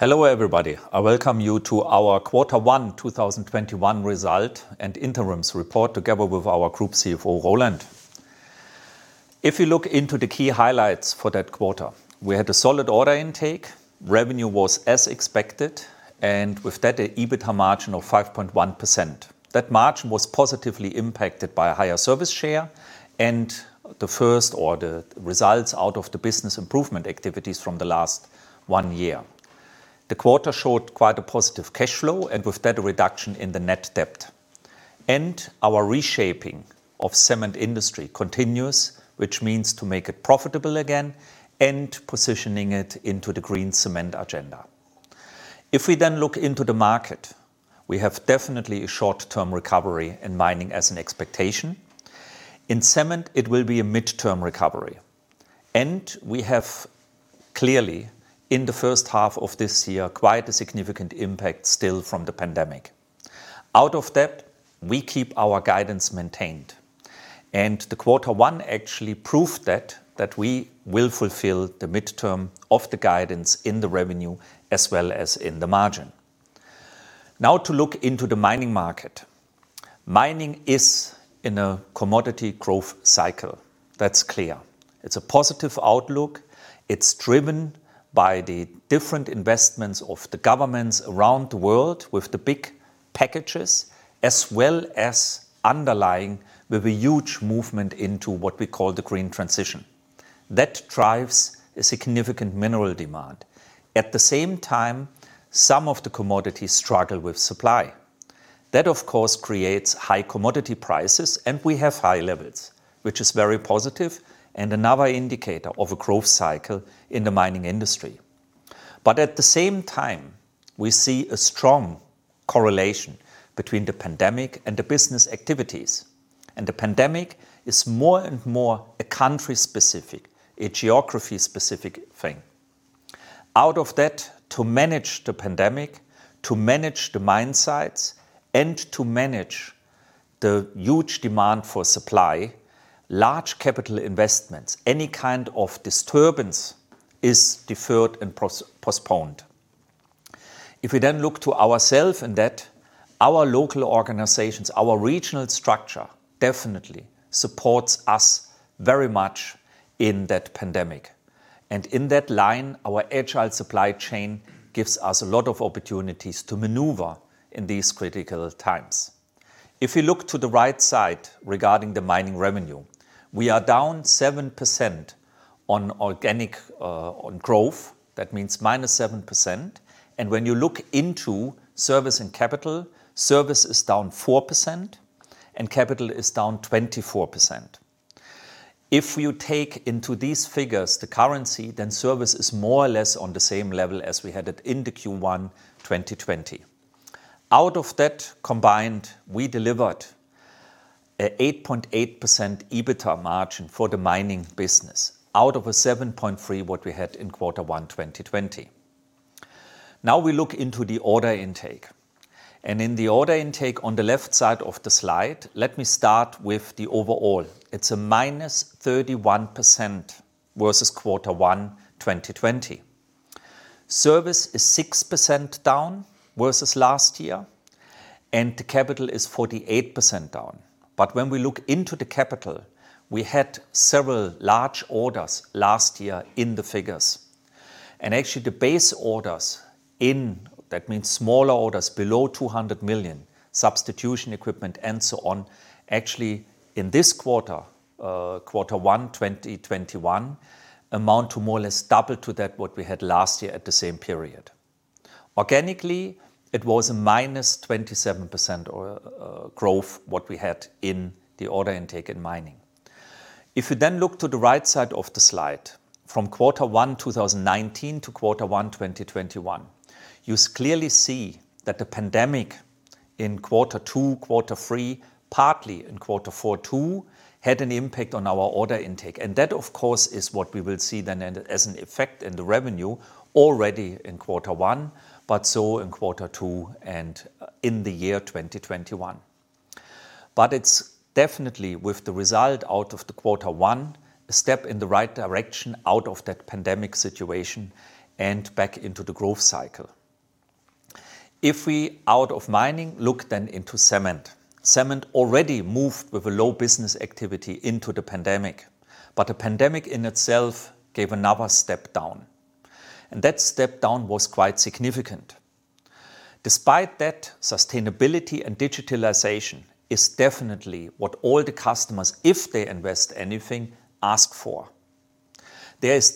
Hello, everybody. I welcome you to our Quarter One 2021 Result and Interims Report, together with our Group CFO, Roland. If you look into the key highlights for that quarter, we had a solid order intake. Revenue was as expected, and with that, an EBITDA margin of 5.1%. That margin was positively impacted by a higher service share and the first order results out of the business improvement activities from the last one year. The quarter showed quite a positive cash flow, and with that, a reduction in the net debt. Our reshaping of cement industry continues, which means to make it profitable again and positioning it into the green cement agenda. If we then look into the market, we have definitely a short-term recovery in mining as an expectation. In cement, it will be a mid-term recovery. We have clearly, in the first half of this year, quite a significant impact still from the pandemic. Out of that, we keep our guidance maintained. The quarter one actually proved that we will fulfill the mid-term of the guidance in the revenue as well as in the margin. Now to look into the mining market. Mining is in a commodity growth cycle. That is clear. It is a positive outlook. It is driven by the different investments of the governments around the world with the big packages, as well as underlying with a huge movement into what we call the green transition. That drives a significant mineral demand. At the same time, some of the commodities struggle with supply. That, of course, creates high commodity prices, and we have high levels, which is very positive and another indicator of a growth cycle in the mining industry. At the same time, we see a strong correlation between the pandemic and the business activities. The pandemic is more and more a country-specific, a geography-specific thing. Out of that, to manage the pandemic, to manage the mine sites, and to manage the huge demand for supply, large capital investments, any kind of disturbance is deferred and postponed. If we then look to ourself and that our local organizations, our regional structure definitely supports us very much in that pandemic. In that line, our agile supply chain gives us a lot of opportunities to maneuver in these critical times. If we look to the right side regarding the mining revenue, we are down 7% on organic growth. That means -7%. When you look into service and capital, service is down 4% and capital is down 24%. If you take into these figures the currency, then service is more or less on the same level as we had it in the Q1 2020. Out of that combined, we delivered a 8.8% EBITDA margin for the mining business, out of a 7.3% what we had in Quarter One 2020. We look into the order intake. In the order intake on the left side of the slide, let me start with the overall. It's a -31% versus Quarter One 2020. Service is 6% down versus last year, and the capital is 48% down. When we look into the capital, we had several large orders last year in the figures. Actually, the base orders in, that means smaller orders below 200 million, substitution equipment and so on, actually in this quarter, quarter one 2021, amount to more or less double to that what we had last year at the same period. Organically, it was a -27% growth, what we had in the order intake in mining. If we then look to the right side of the slide, from quarter one 2019 to quarter one 2021, you clearly see that the pandemic in quarter two, quarter three, partly in quarter four, too, had an impact on our order intake. That, of course, is what we will see then as an effect in the revenue already in quarter one, but so in quarter two and in the year 2021. It's definitely, with the result out of the quarter one, a step in the right direction out of that pandemic situation and back into the growth cycle. If we, out of mining, look into cement. Cement already moved with a low business activity into the pandemic, but the pandemic in itself gave another step down. That step down was quite significant. Despite that, sustainability and digitalization is definitely what all the customers, if they invest anything, ask for. There is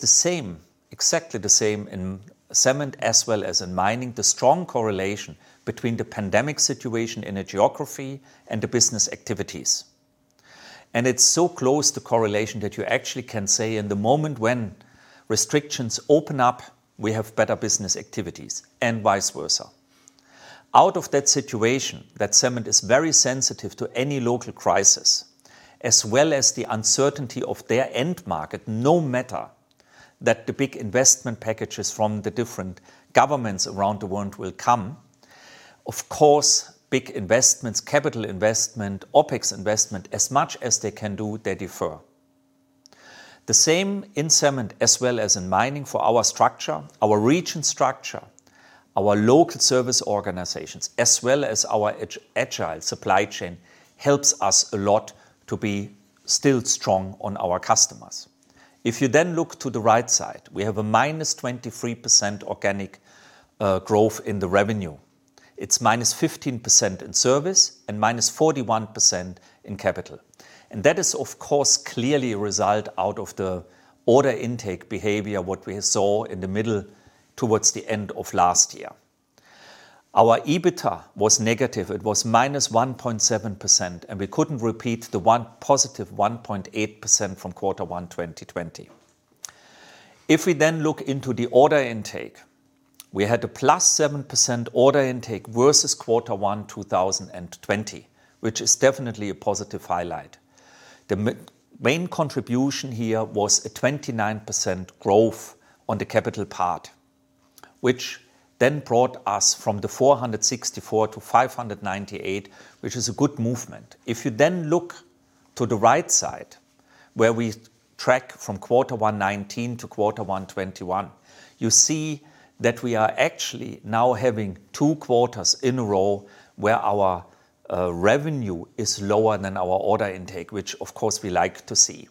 exactly the same in cement as well as in mining, the strong correlation between the pandemic situation in a geography and the business activities. It's so close, the correlation, that you actually can say in the moment when restrictions open up, we have better business activities and vice versa. Out of that situation, that cement is very sensitive to any local crisis, as well as the uncertainty of their end market, no matter that the big investment packages from the different governments around the world will come. Of course, big investments, capital investment, OpEx investment, as much as they can do, they defer. The same in cement as well as in mining for our structure, our region structure, our local service organizations, as well as our agile supply chain, helps us a lot to be still strong on our customers. If you look to the right side, we have a -23% organic growth in the revenue. It's -15% in service and -41% in capital. That is, of course, clearly a result out of the order intake behavior, what we saw in the middle towards the end of last year. Our EBITDA was negative. It was -1.7%. We couldn't repeat the +1.8% from quarter one 2020. If we look into the order intake, we had a +7% order intake versus quarter one 2020, which is definitely a positive highlight. The main contribution here was a 29% growth on the capital part, which brought us from the 464 to 598, which is a good movement. If you look to the right side, where we track from Q1 2019 to Q1 2021, you see that we are actually now having two quarters in a row where our revenue is lower than our order intake, which of course we like to see.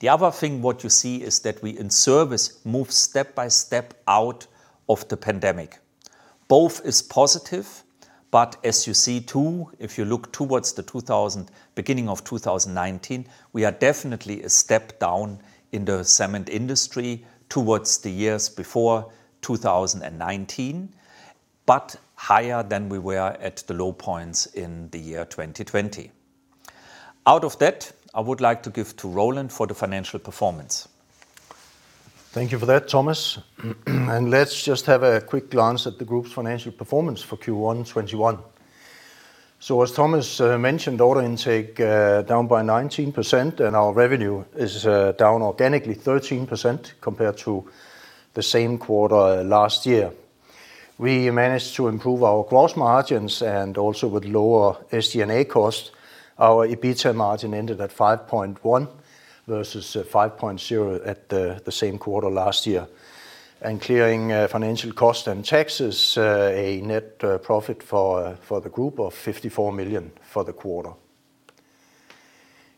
The other thing what you see is that we in service move step by step out of the pandemic. Both is positive, as you see too, if you look towards the beginning of 2019, we are definitely a step down in the cement industry towards the years before 2019, but higher than we were at the low points in the year 2020. Out of that, I would like to give to Roland for the financial performance. Thank you for that, Thomas. Let's just have a quick glance at the group's financial performance for Q1 2021. As Thomas mentioned, order intake down by 19%, and our revenue is down organically 13% compared to the same quarter last year. We managed to improve our gross margins and also with lower SG&A cost. Our EBITDA margin ended at 5.1% versus 5.0% at the same quarter last year. Clearing financial cost and taxes, a net profit for the group of 54 million for the quarter.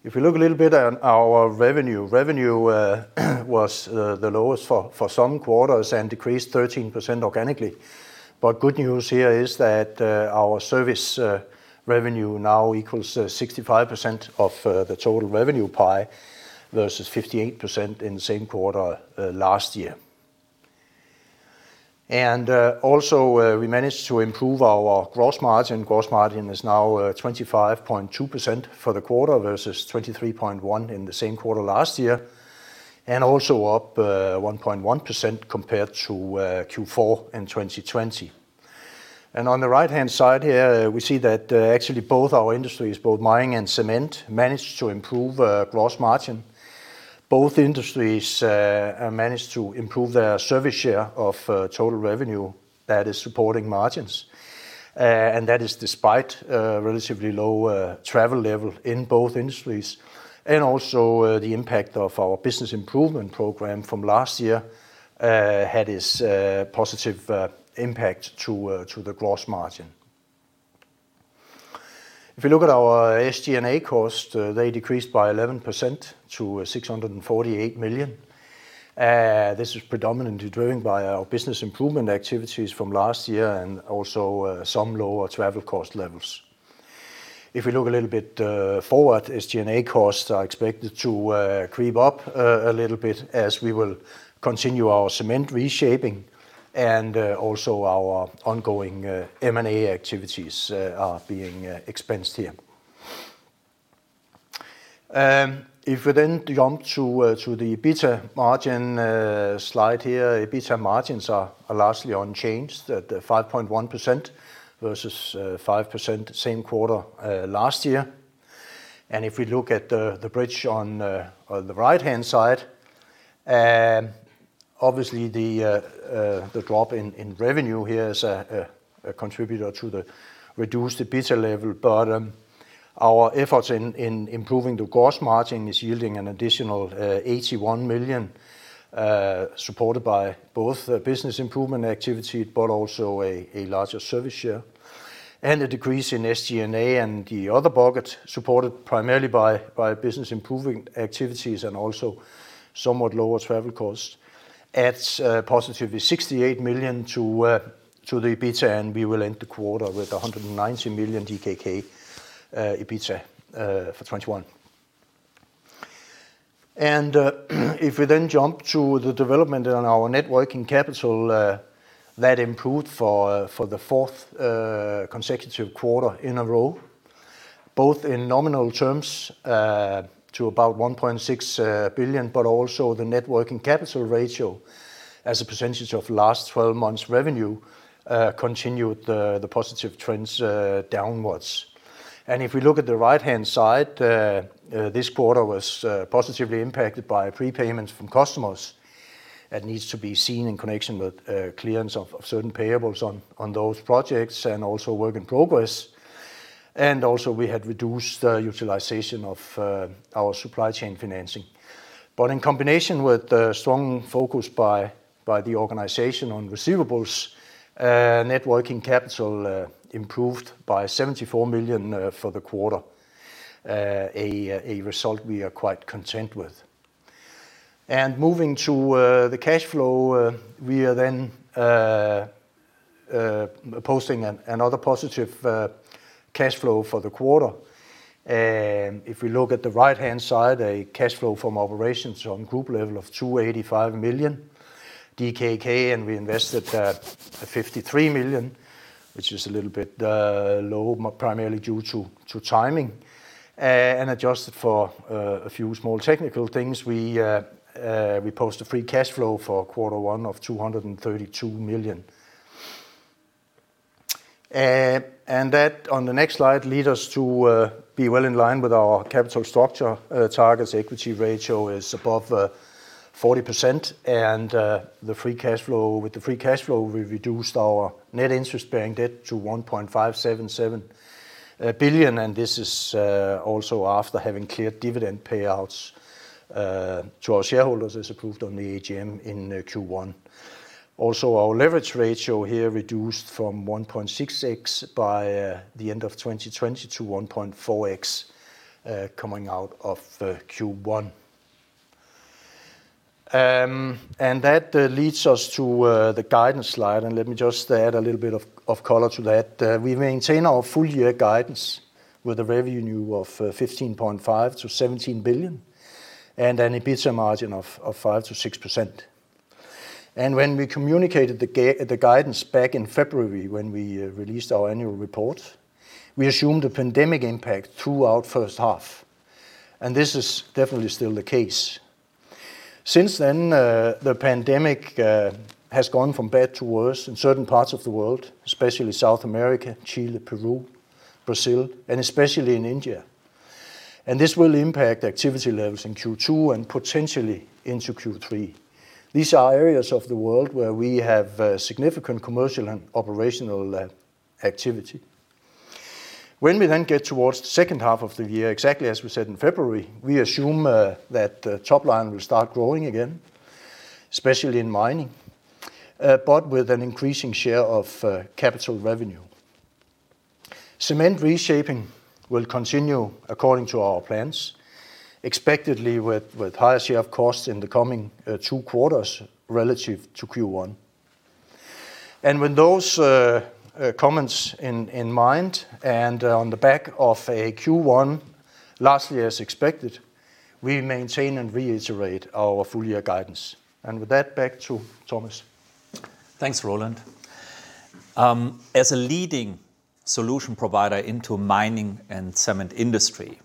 If you look a little bit at our revenue was the lowest for some quarters and decreased 13% organically. Good news here is that our service revenue now equals 65% of the total revenue pie versus 58% in the same quarter last year. Also, we managed to improve our gross margin. Gross margin is now 25.2% for the quarter versus 23.1% in the same quarter last year, also up 1.1% compared to Q4 in 2020. On the right-hand side here, we see that actually both our industries, both mining and cement, managed to improve gross margin. Both industries managed to improve their service share of total revenue that is supporting margins. That is despite relatively low travel level in both industries. Also, the impact of our business improvement program from last year had its positive impact to the gross margin. If you look at our SG&A cost, they decreased by 11% to 648 million. This is predominantly driven by our business improvement activities from last year and also some lower travel cost levels. We look a little bit forward, SG&A costs are expected to creep up a little bit as we will continue our cement reshaping and also our ongoing M&A activities are being expensed here. We then jump to the EBITDA margin slide here, EBITDA margins are largely unchanged at 5.1% versus 5% the same quarter last year. We look at the bridge on the right-hand side, obviously the drop in revenue here is a contributor to the reduced EBITDA level, but our efforts in improving the gross margin is yielding an additional 81 million, supported by both business improvement activity, but also a larger service share. A decrease in SG&A and the other bucket, supported primarily by business improving activities and also somewhat lower travel cost, adds positively 68 million to the EBITDA, and we will end the quarter with 190 million DKK EBITDA for 2021. If we jump to the development on our net working capital, that improved for the fourth consecutive quarter in a row, both in nominal terms to about 1.6 billion, but also the net working capital ratio as a percentage of last 12 months revenue continued the positive trends downwards. If we look at the right-hand side, this quarter was positively impacted by prepayments from customers. That needs to be seen in connection with clearance of certain payables on those projects and also work in progress. Also we had reduced utilization of our supply chain financing. In combination with strong focus by the organization on receivables, net working capital improved by 74 million for the quarter. A result we are quite content with. Moving to the cash flow, we are then posting another positive cash flow for the quarter. If we look at the right-hand side, a cash flow from operations on group level of 285 million, we invested 53 million, which is a little bit low, primarily due to timing. Adjusted for a few small technical things, we post a free cash flow for Q1 of 232 million. That, on the next slide, lead us to be well in line with our capital structure targets. Equity ratio is above 40%, with the free cash flow, we reduced our net interest-bearing debt to 1.577 billion, this is also after having cleared dividend payouts to our shareholders as approved on the AGM in Q1. Our leverage ratio here reduced from 1.66 by the end of 2020 to 1.4x, coming out of Q1. That leads us to the guidance slide, let me just add a little bit of color to that. We maintain our full year guidance with a revenue of 15.5 billion-17 billion, an EBITDA margin of 5%-6%. When we communicated the guidance back in February, when we released our annual report, we assumed the pandemic impact throughout first half, and this is definitely still the case. Since then, the pandemic has gone from bad to worse in certain parts of the world, especially South America, Chile, Peru, Brazil, and especially in India. This will impact activity levels in Q2 and potentially into Q3. These are areas of the world where we have significant commercial and operational activity. When we then get towards the second half of the year, exactly as we said in February, we assume that top line will start growing again, especially in mining, but with an increasing share of capital revenue. Cement reshaping will continue according to our plans, expectedly with higher share of costs in the coming two quarters relative to Q1. With those comments in mind, and on the back of a Q1, lastly, as expected, we maintain and reiterate our full year guidance. With that, back to Thomas. Thanks, Roland. As a leading solution provider into mining and cement industry,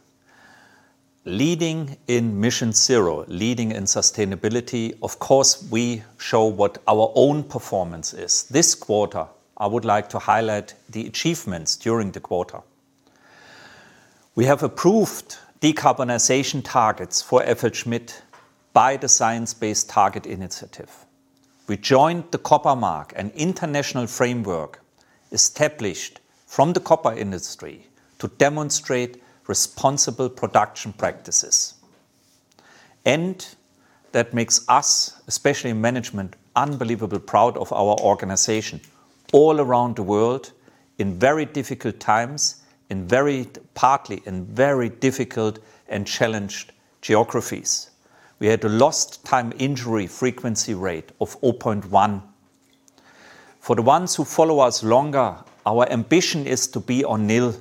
leading in MissionZero, leading in sustainability, of course, we show what our own performance is. This quarter, I would like to highlight the achievements during the quarter. We have approved decarbonization targets for FLSmidth by the Science Based Targets initiative. We joined The Copper Mark, an international framework established from the copper industry to demonstrate responsible production practices. That makes us, especially management, unbelievably proud of our organization all around the world in very difficult times, partly in very difficult and challenged geographies. We had a lost time injury frequency rate of 0.1. For the ones who follow us longer, our ambition is to be on nil,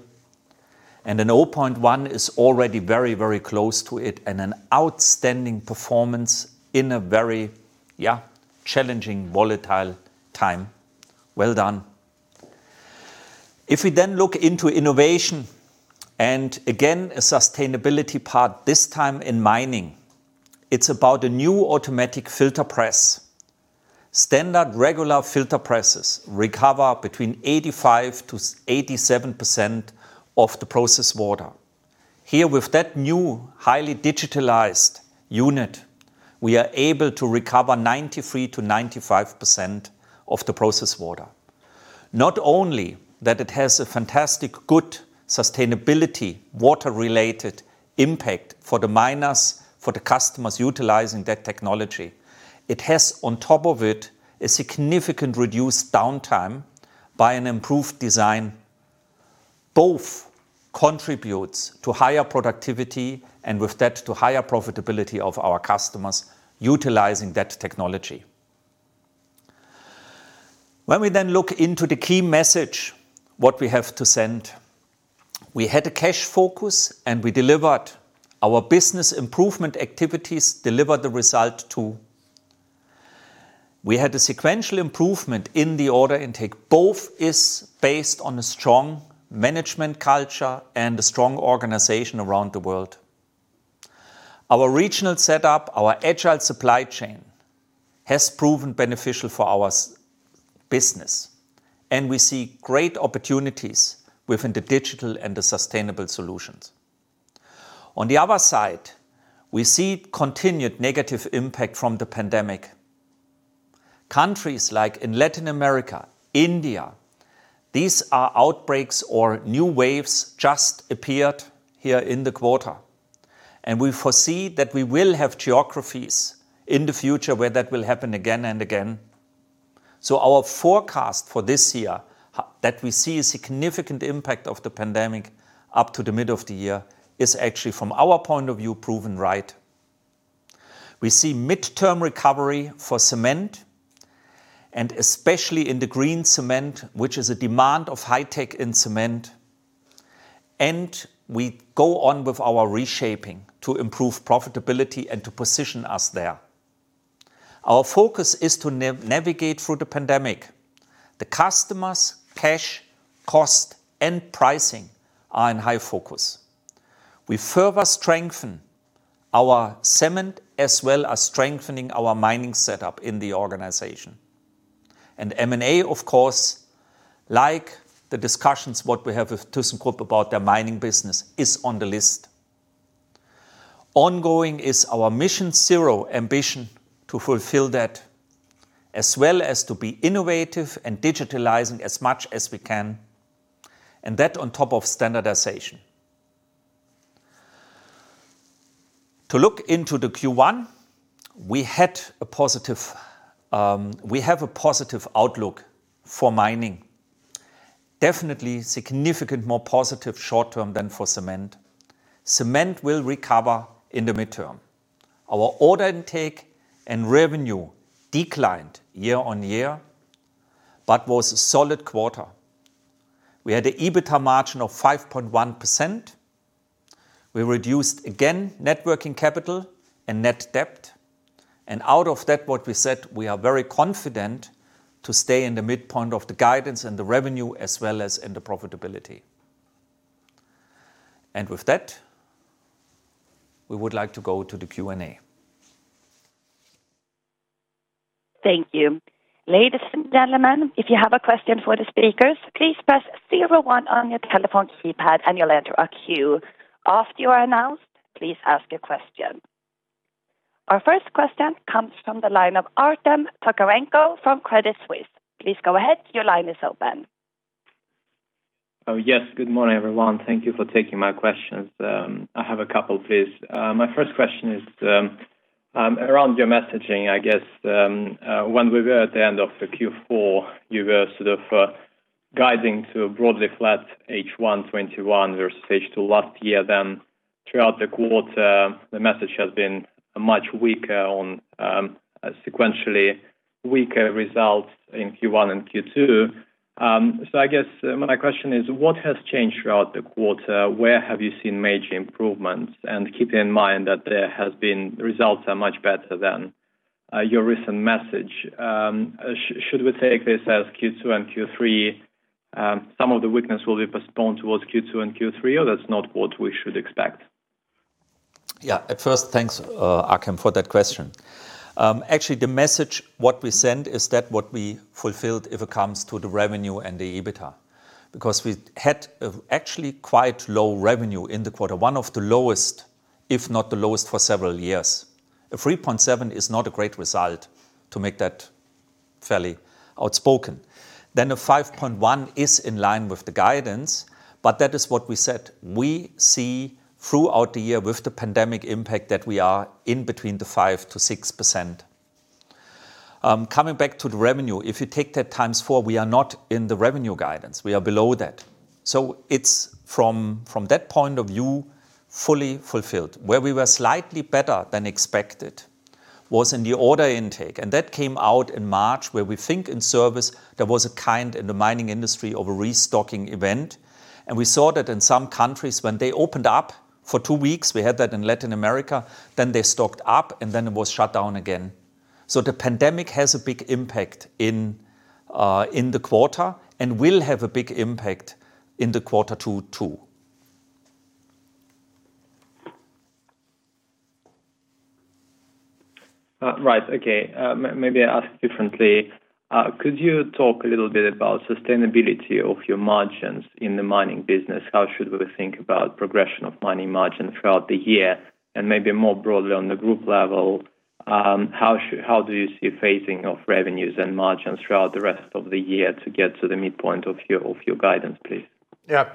and an 0.1 is already very close to it and an outstanding performance in a very challenging, volatile time. Well done. If we look into innovation, and again, a sustainability part, this time in mining, it's about a new automatic filter press. Standard regular filter presses recover between 85%-87% of the process water. Here, with that new highly digitalized unit, we are able to recover 93%-95% of the process water. Not only that it has a fantastic, good sustainability water-related impact for the miners, for the customers utilizing that technology, it has on top of it, a significant reduced downtime by an improved design. Both contributes to higher productivity, and with that, to higher profitability of our customers utilizing that technology. When we look into the key message, what we have to send, we had a cash focus, and we delivered. Our business improvement activities delivered the result, too. We had a sequential improvement in the order intake. Both is based on a strong management culture and a strong organization around the world. Our regional setup, our agile supply chain, has proven beneficial for our business, and we see great opportunities within the digital and the sustainable solutions. On the other side, we see continued negative impact from the pandemic. Countries like in Latin America, India, these are outbreaks or new waves just appeared here in the quarter, and we foresee that we will have geographies in the future where that will happen again and again. Our forecast for this year, that we see a significant impact of the pandemic up to the mid of the year, is actually from our point of view, proven right. We see midterm recovery for cement, and especially in the green cement, which is a demand of high tech in cement. We go on with our reshaping to improve profitability and to position us there. The customers, cash, cost, and pricing are in high focus. We further strengthen our cement as well as strengthening our mining setup in the organization. M&A, of course, like the discussions what we have with thyssenkrupp about their mining business, is on the list. Ongoing is our MissionZero ambition to fulfill that, as well as to be innovative and digitalizing as much as we can, and that on top of standardization. To look into the Q1, we have a positive outlook for mining. Definitely significant more positive short term than for cement. Cement will recover in the midterm. Our order intake and revenue declined year-on-year but was a solid quarter. We had an EBITDA margin of 5.1%. We reduced again net working capital and net debt. Out of that, what we said, we are very confident to stay in the midpoint of the guidance and the revenue as well as in the profitability. With that, we would like to go to the Q&A. Thank you. Ladies and gentlemen, if you have a question for the speakers, please press zero one on your telephone keypad and you'll enter a queue. After you are announced, please ask your question. Our first question comes from the line of Artem Tkachenko from Credit Suisse. Please go ahead. Your line is open. Yes. Good morning, everyone. Thank you for taking my questions. I have a couple, please. My first question is around your messaging, I guess. When we were at the end of the Q4, you were sort of guiding to a broadly flat H1 2021 versus H2 last year, then throughout the quarter, the message has been much weaker on sequentially weaker results in Q1 and Q2. I guess my question is, what has changed throughout the quarter? Where have you seen major improvements? Keeping in mind that there has been results are much better than your recent message. Should we take this as Q2 and Q3, some of the weakness will be postponed towards Q2 and Q3, or that's not what we should expect? At first, thanks, Artem, for that question. Actually, the message, what we send is that what we fulfilled if it comes to the revenue and the EBITDA. We had actually quite low revenue in the quarter, one of the lowest, if not the lowest, for several years. A 3.7% is not a great result to make that fairly outspoken. A 5.1% is in line with the guidance, that is what we said. We see throughout the year with the pandemic impact that we are in between the 5%-6%. Coming back to the revenue, if you take that times four, we are not in the revenue guidance. It's from that point of view, fully fulfilled. Where we were slightly better than expected was in the order intake, that came out in March, where we think in service, there was a kind in the mining industry of a restocking event. We saw that in some countries when they opened up for two weeks, we had that in Latin America, then they stocked up, and then it was shut down again. The pandemic has a big impact in the quarter and will have a big impact in the quarter two, too. Right. Okay. Maybe I ask differently. Could you talk a little bit about sustainability of your margins in the mining business? How should we think about progression of mining margin throughout the year? Maybe more broadly on the group level, how do you see phasing of revenues and margins throughout the rest of the year to get to the midpoint of your guidance, please? Yeah.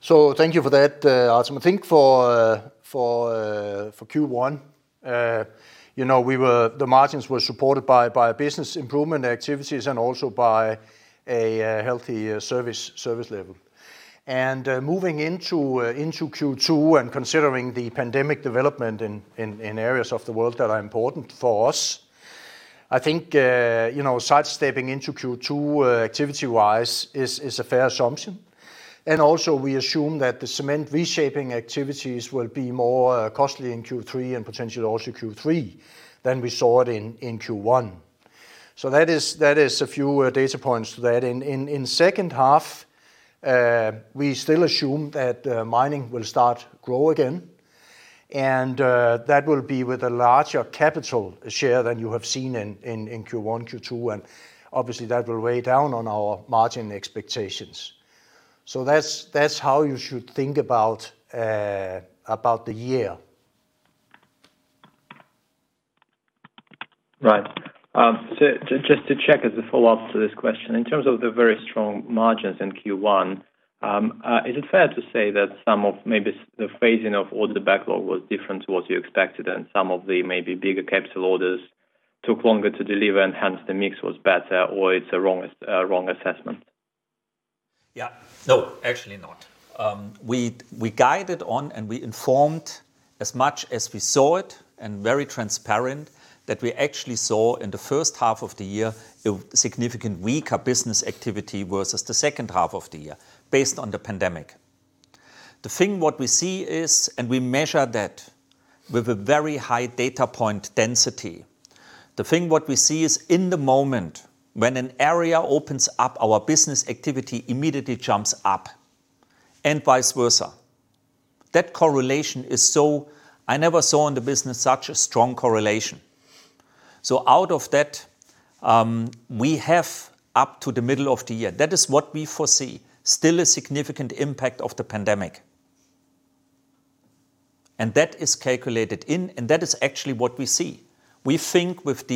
Thank you for that, Artem. I think for Q1, the margins were supported by business improvement activities and also by a healthy service level. Moving into Q2 and considering the pandemic development in areas of the world that are important for us, I think, sidestepping into Q2 activity-wise is a fair assumption. Also we assume that the cement reshaping activities will be more costly in Q3 and potentially also Q3 than we saw it in Q1. That is a few data points to that. In second half, we still assume that mining will start grow again, and that will be with a larger capital share than you have seen in Q1, Q2, and obviously that will weigh down on our margin expectations. That's how you should think about the year. Right. Just to check as a follow-up to this question, in terms of the very strong margins in Q1, is it fair to say that some of maybe the phasing of order backlog was different to what you expected and some of the maybe bigger capital orders took longer to deliver and hence the mix was better or it's a wrong assessment? No, actually not. We guided on and we informed as much as we saw it, and very transparent, that we actually saw in the first half of the year a significant weaker business activity versus the second half of the year, based on the pandemic. The thing what we see is, and we measure that with a very high data point density. The thing what we see is in the moment, when an area opens up, our business activity immediately jumps up, and vice versa. That correlation is, I never saw in the business such a strong correlation. Out of that, we have up to the middle of the year. That is what we foresee, still a significant impact of the pandemic. That is calculated in, and that is actually what we see. We think with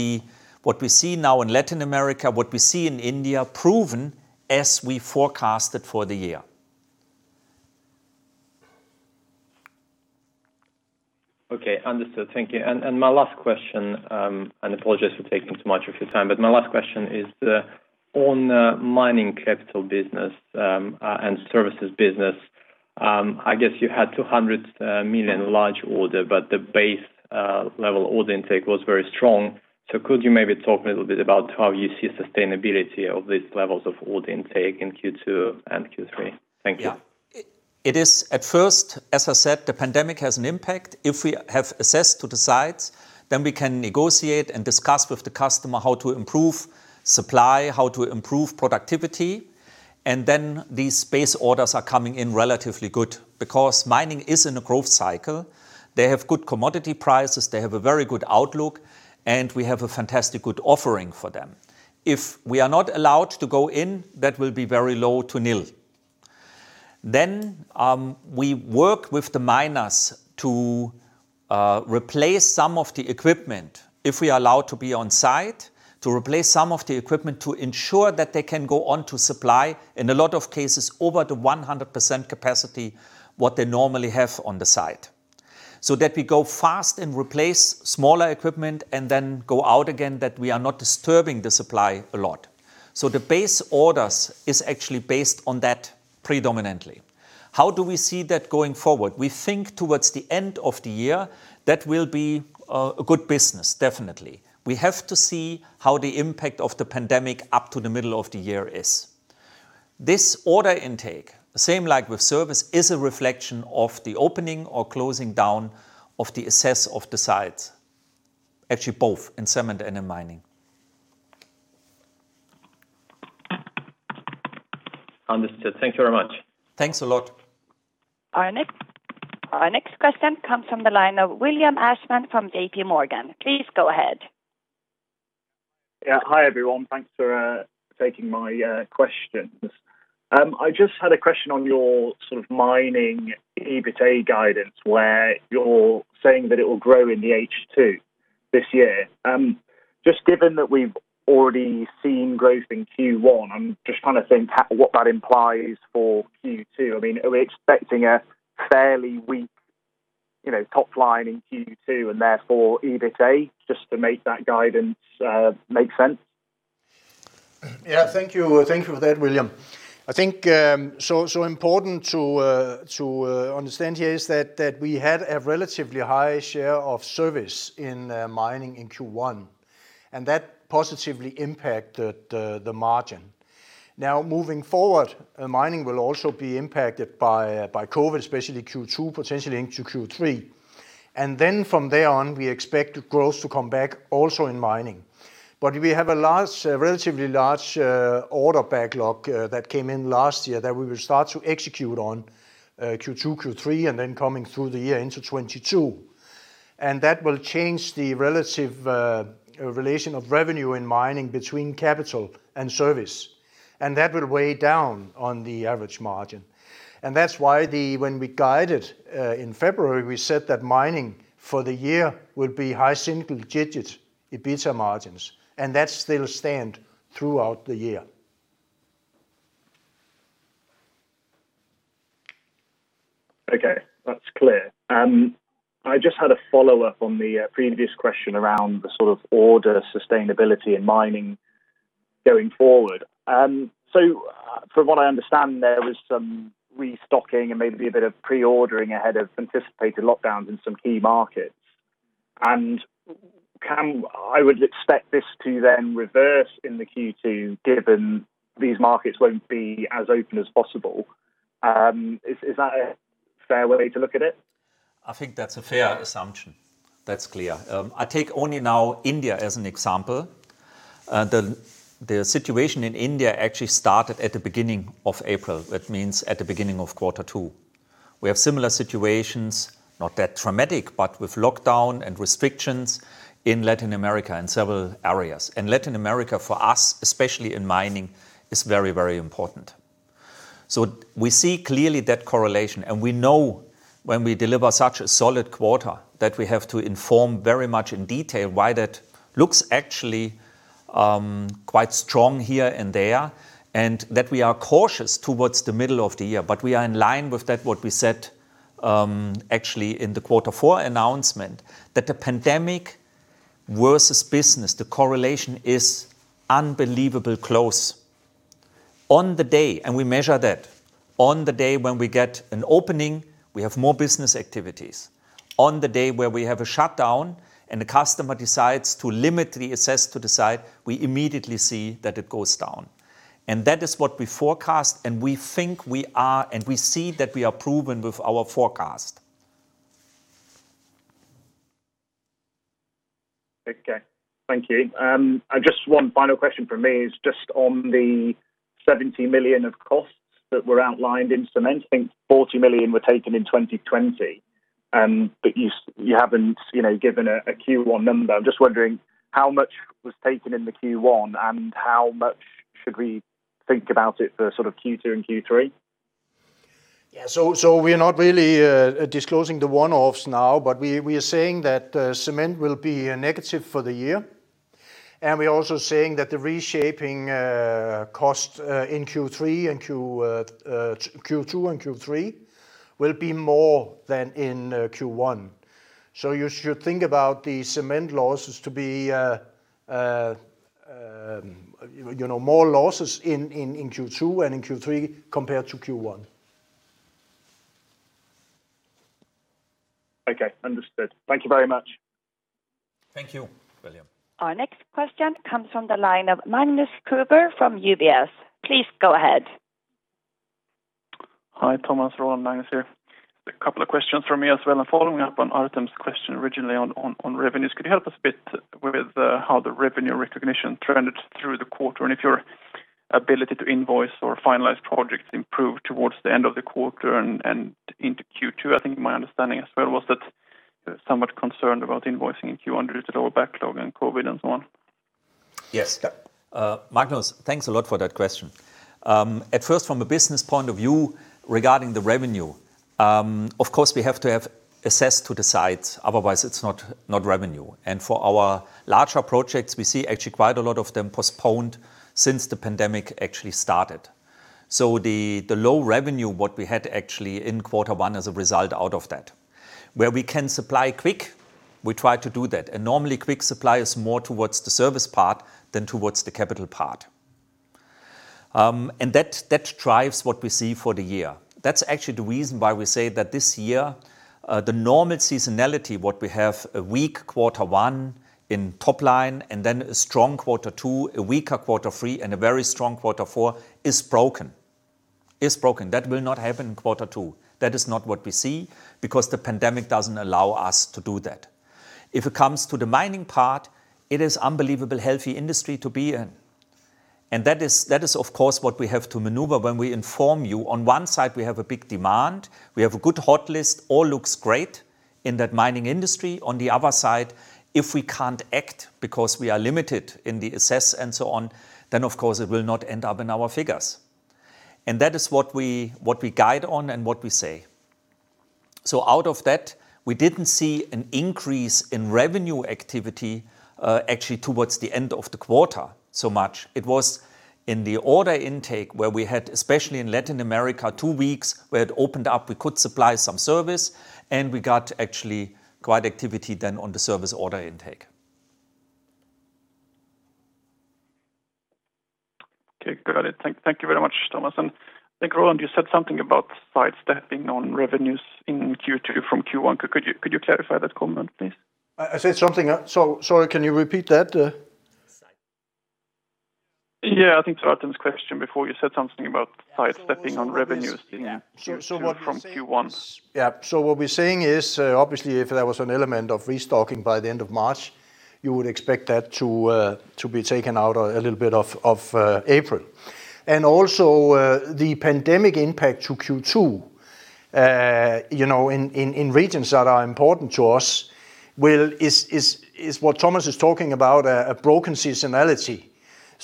what we see now in Latin America, what we see in India, proven as we forecasted for the year. Okay, understood. Thank you. My last question, and apologies for taking too much of your time, but my last question is on mining capital business and services business. I guess you had 200 million large order, but the base level order intake was very strong. Could you maybe talk a little bit about how you see sustainability of these levels of order intake in Q2 and Q3? Thank you. Yeah. It is at first, as I said, the pandemic has an impact. If we have access to the sites, then we can negotiate and discuss with the customer how to improve supply, how to improve productivity, and then these base orders are coming in relatively good because mining is in a growth cycle. They have good commodity prices. They have a very good outlook, and we have a fantastic, good offering for them. If we are not allowed to go in, that will be very low to nil. We work with the miners to replace some of the equipment if we are allowed to be on site, to replace some of the equipment to ensure that they can go on to supply, in a lot of cases, over the 100% capacity what they normally have on the site. That we go fast and replace smaller equipment and then go out again, that we are not disturbing the supply a lot. The base orders is actually based on that predominantly. How do we see that going forward? We think towards the end of the year, that will be a good business, definitely. We have to see how the impact of the pandemic up to the middle of the year is. This order intake, same like with service, is a reflection of the opening or closing down of the access of the sites. Actually both in cement and in mining. Understood. Thank you very much. Thanks a lot. Our next question comes from the line of William Ashman from JPMorgan. Please go ahead. Yeah. Hi, everyone. Thanks for taking my questions. I just had a question on your sort of mining EBITA guidance, where you're saying that it will grow in the H2 this year. Just given that we've already seen growth in Q1, I'm just trying to think what that implies for Q2. Are we expecting a fairly weak top line in Q2 and therefore EBITA, just to make that guidance make sense? Thank you. Thank you for that, William. I think so important to understand here is that we had a relatively high share of service in mining in Q1, that positively impacted the margin. Moving forward, mining will also be impacted by COVID, especially Q2, potentially into Q3. From there on, we expect growth to come back also in mining. We have a relatively large order backlog that came in last year that we will start to execute on Q2, Q3, coming through the year into 2022. That will change the relative relation of revenue in mining between capital and service, that will weigh down on the average margin. That's why when we guided in February, we said that mining for the year will be high single digits, EBITA margins, that still stand throughout the year. Okay. That's clear. I just had a follow-up on the previous question around the sort of order sustainability in mining going forward. From what I understand, there was some restocking and maybe a bit of pre-ordering ahead of anticipated lockdowns in some key markets. I would expect this to then reverse in the Q2 given these markets won't be as open as possible. Is that a fair way to look at it? I think that's a fair assumption. That's clear. I take only now India as an example. The situation in India actually started at the beginning of April. That means at the beginning of Q2. We have similar situations, not that traumatic, but with lockdown and restrictions in Latin America in several areas. Latin America, for us, especially in mining, is very, very important. We see clearly that correlation, and we know when we deliver such a solid quarter that we have to inform very much in detail why that looks actually quite strong here and there, and that we are cautious towards the middle of the year. We are in line with that, what we said actually in the Q4 announcement, that the pandemic versus business, the correlation is unbelievably close. On the day, and we measure that. On the day when we get an opening, we have more business activities. On the day where we have a shutdown and the customer decides to limit the access to site, we immediately see that it goes down. That is what we forecast, and we think we are, and we see that we are proven with our forecast. Okay. Thank you. Just one final question from me is just on the 17 million of costs that were outlined in cement. I think 40 million were taken in 2020, but you haven't given a Q1 number. I'm just wondering how much was taken in the Q1, and how much should we think about it for Q2 and Q3? We are not really disclosing the one-offs now, but we are saying that cement will be a negative for the year, and we're also saying that the reshaping cost in Q2 and Q3 will be more than in Q1. You should think about the cement losses to be more losses in Q2 and in Q3 compared to Q1. Okay. Understood. Thank you very much. Thank you, William. Our next question comes from the line of Magnus Kruber from UBS. Please go ahead. Hi, Thomas, Roland. Magnus here. A couple of questions from me as well. Following up on Artem's question originally on revenues, could you help us a bit with how the revenue recognition trended through the quarter? If your ability to invoice or finalize projects improved towards the end of the quarter and into Q2? I think my understanding as well was that somewhat concerned about invoicing in Q1 related to our backlog and COVID, and so on. Yes. Yeah. Magnus, thanks a lot for that question. At first, from a business point of view regarding the revenue, of course, we have to have assessed to decide, otherwise it's not revenue. For our larger projects, we see actually quite a lot of them postponed since the pandemic actually started. The low revenue, what we had actually in quarter one as a result out of that. Where we can supply quick, we try to do that. Normally, quick supply is more towards the service part than towards the capital part. That drives what we see for the year. That's actually the reason why we say that this year, the normal seasonality, what we have a weak quarter one in top line, and then a strong quarter two, a weaker quarter three, and a very strong quarter four, is broken. That will not happen in quarter two. That is not what we see because the pandemic doesn't allow us to do that. If it comes to the mining part, it is unbelievably healthy industry to be in. That is, of course, what we have to maneuver when we inform you. On one side, we have a big demand. We have a good hot list. All looks great in that mining industry. On the other side, if we can't act because we are limited in the access and so on, then, of course, it will not end up in our figures. That is what we guide on and what we say. Out of that, we didn't see an increase in revenue activity actually towards the end of the quarter so much. It was in the order intake where we had, especially in Latin America, two weeks where it opened up, we could supply some service, and we got actually quite activity then on the service order intake. Okay. Got it. Thank you very much, Thomas. I think, Roland, you said something about sidestepping on revenues in Q2 from Q1. Could you clarify that comment, please? I said something. Sorry, can you repeat that? Yeah. I think to Artem's question before you said something about sidestepping on revenues- Yeah. What we're saying is. in Q2 from Q1 Yeah. What we're saying is, obviously, if there was an element of restocking by the end of March, you would expect that to be taken out a little bit of April. Also, the pandemic impact to Q2, in regions that are important to us, is what Thomas is talking about, a broken seasonality.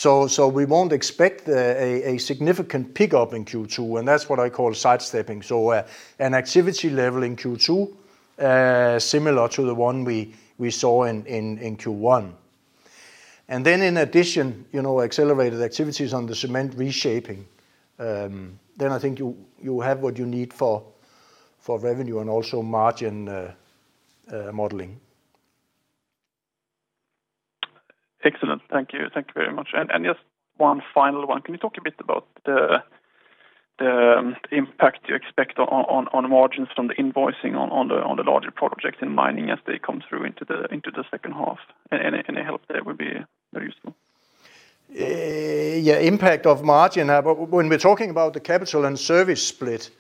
We won't expect a significant pickup in Q2, and that's what I call sidestepping. An activity level in Q2, similar to the one we saw in Q1. In addition, accelerated activities on the cement reshaping, then I think you have what you need for revenue and also margin modeling. Excellent. Thank you. Thank you very much. Just one final one. Can you talk a bit about the impact you expect on margins from the invoicing on the larger projects in mining as they come through into the second half? Any help there would be very useful. Yeah. Impact of margin. When we're talking about the capital and service split.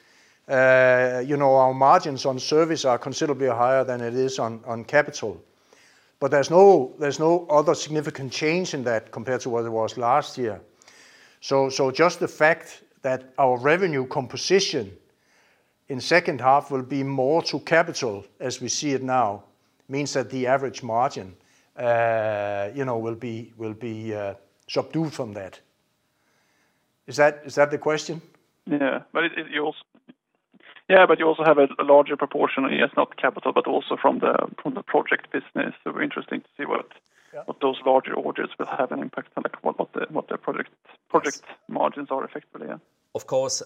Our margins on service are considerably higher than it is on capital. There's no other significant change in that compared to what it was last year. Just the fact that our revenue composition in second half will be more to capital, as we see it now, means that the average margin will be subdued from that. Is that the question? Yeah. You also have a larger proportion, yes, not capital, but also from the project business. It'll be interesting to see those larger orders will have an impact, and what their project margins are effectively, yeah. Of course,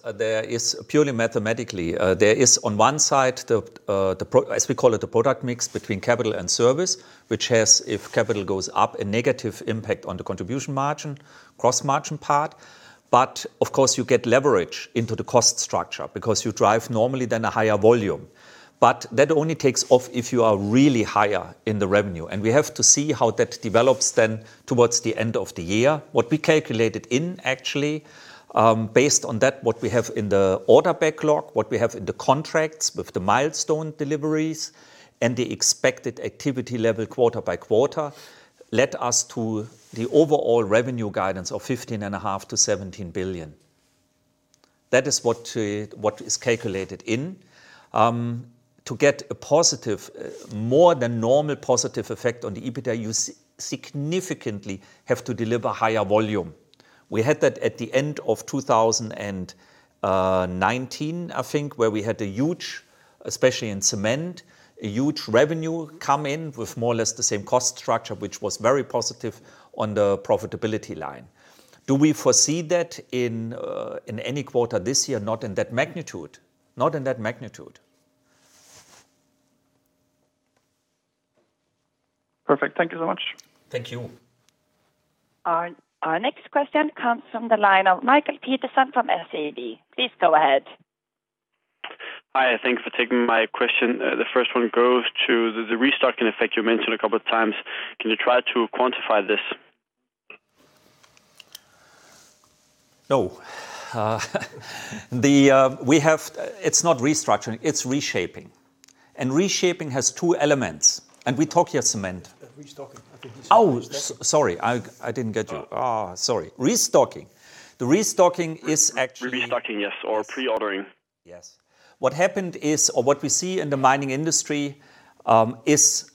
purely mathematically, there is on one side, as we call it, the product mix between capital and service, which has, if capital goes up, a negative impact on the contribution margin, gross margin part. Of course, you get leverage into the cost structure because you drive normally then a higher volume. That only takes off if you are really higher in the revenue. We have to see how that develops then towards the end of the year. What we calculated in actually, based on that, what we have in the order backlog, what we have in the contracts with the milestone deliveries and the expected activity level quarter by quarter, led us to the overall revenue guidance of 15.5 billion-17 billion. That is what is calculated in. To get a more than normal positive effect on the EBITDA, you significantly have to deliver higher volume. We had that at the end of 2019, I think, where we had, especially in cement, a huge revenue come in with more or less the same cost structure, which was very positive on the profitability line. Do we foresee that in any quarter this year? Not in that magnitude. Perfect. Thank you so much. Thank you. Our next question comes from the line of Mikael Petersen from SEB. Please go ahead. Hi, thanks for taking my question. The first one goes to the restocking effect you mentioned a couple of times. Can you try to quantify this? No. It's not restructuring, it's reshaping. Reshaping has two elements. We talk here cement. Restocking. I think he said restocking. Sorry. I didn't get you. Sorry. Restocking. Restocking, yes, or pre-ordering. Yes. What happened is, or what we see in the mining industry is,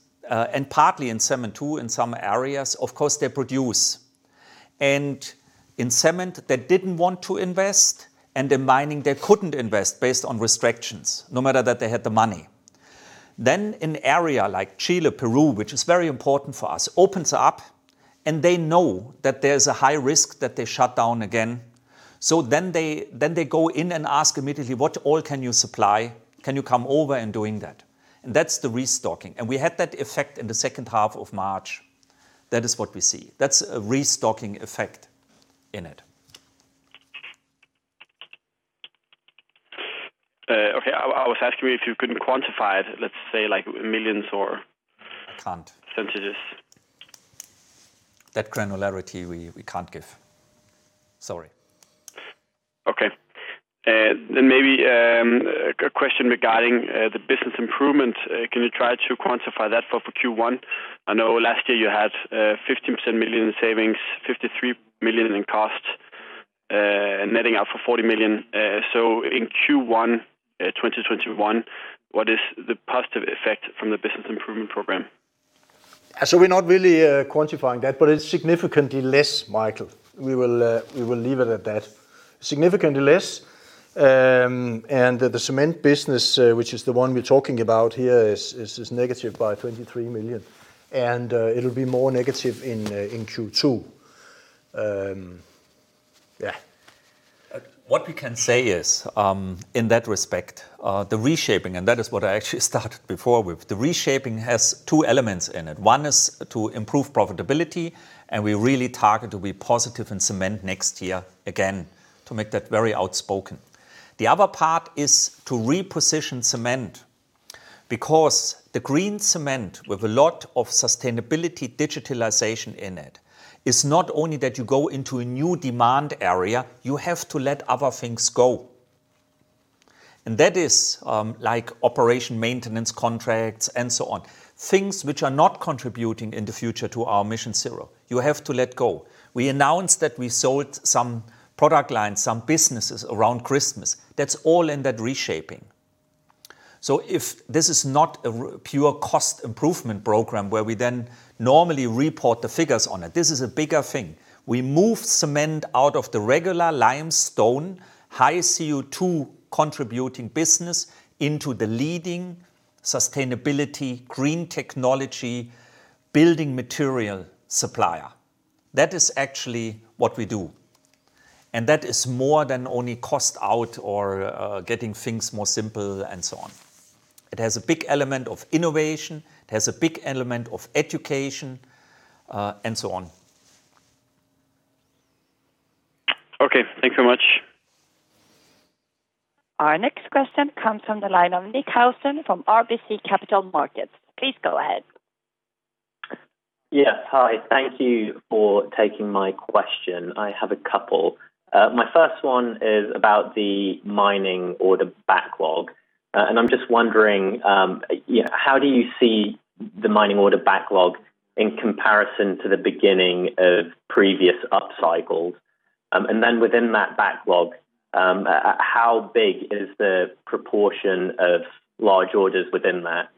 partly in cement too, in some areas, of course, they produce. In cement, they didn't want to invest, and in mining, they couldn't invest based on restrictions, no matter that they had the money. An area like Chile, Peru, which is very important for us, opens up and they know that there's a high risk that they shut down again. They go in and ask immediately, "What all can you supply? Can you come over in doing that?" That's the restocking. We had that effect in the second half of March. That is what we see. That's a restocking effect in it. Okay. I was asking if you can quantify it, let's say like millions, percentages. I can't. That granularity we can't give. Sorry. Okay. Maybe a question regarding the business improvement. Can you try to quantify that for Q1? I know last year you had 15 million in savings, 53 million in costs, netting out for 40 million. In Q1 2021, what is the positive effect from the business improvement program? We're not really quantifying that. It's significantly less, Mikael Petersen. We will leave it at that. Significantly less. The cement business, which is the one we're talking about here, is negative by 23 million. It'll be more negative in Q2. Yeah. What we can say is, in that respect, the reshaping, and that is what I actually started before with. The reshaping has two elements in it. One is to improve profitability, and we really target to be positive in cement next year again, to make that very outspoken. The other part is to reposition cement, because the green cement with a lot of sustainability digitalization in it, is not only that you go into a new demand area, you have to let other things go. That is like operation maintenance contracts and so on. Things which are not contributing in the future to our MissionZero. You have to let go. We announced that we sold some product lines, some businesses around Christmas. That's all in that reshaping. If this is not a pure cost improvement program where we then normally report the figures on it, this is a bigger thing. We move cement out of the regular limestone, high CO2 contributing business into the leading sustainability, green technology, building material supplier. That is actually what we do. That is more than only cost out or getting things more simple and so on. It has a big element of innovation, it has a big element of education, and so on. Okay. Thanks so much. Our next question comes from the line of Nicholas Housden from RBC Capital Markets. Please go ahead. Yes. Hi. Thank you for taking my question. I have a couple. My first one is about the mining order backlog. I'm just wondering, how do you see the mining order backlog in comparison to the beginning of previous upcycles? Then within that backlog, how big is the proportion of large orders within that?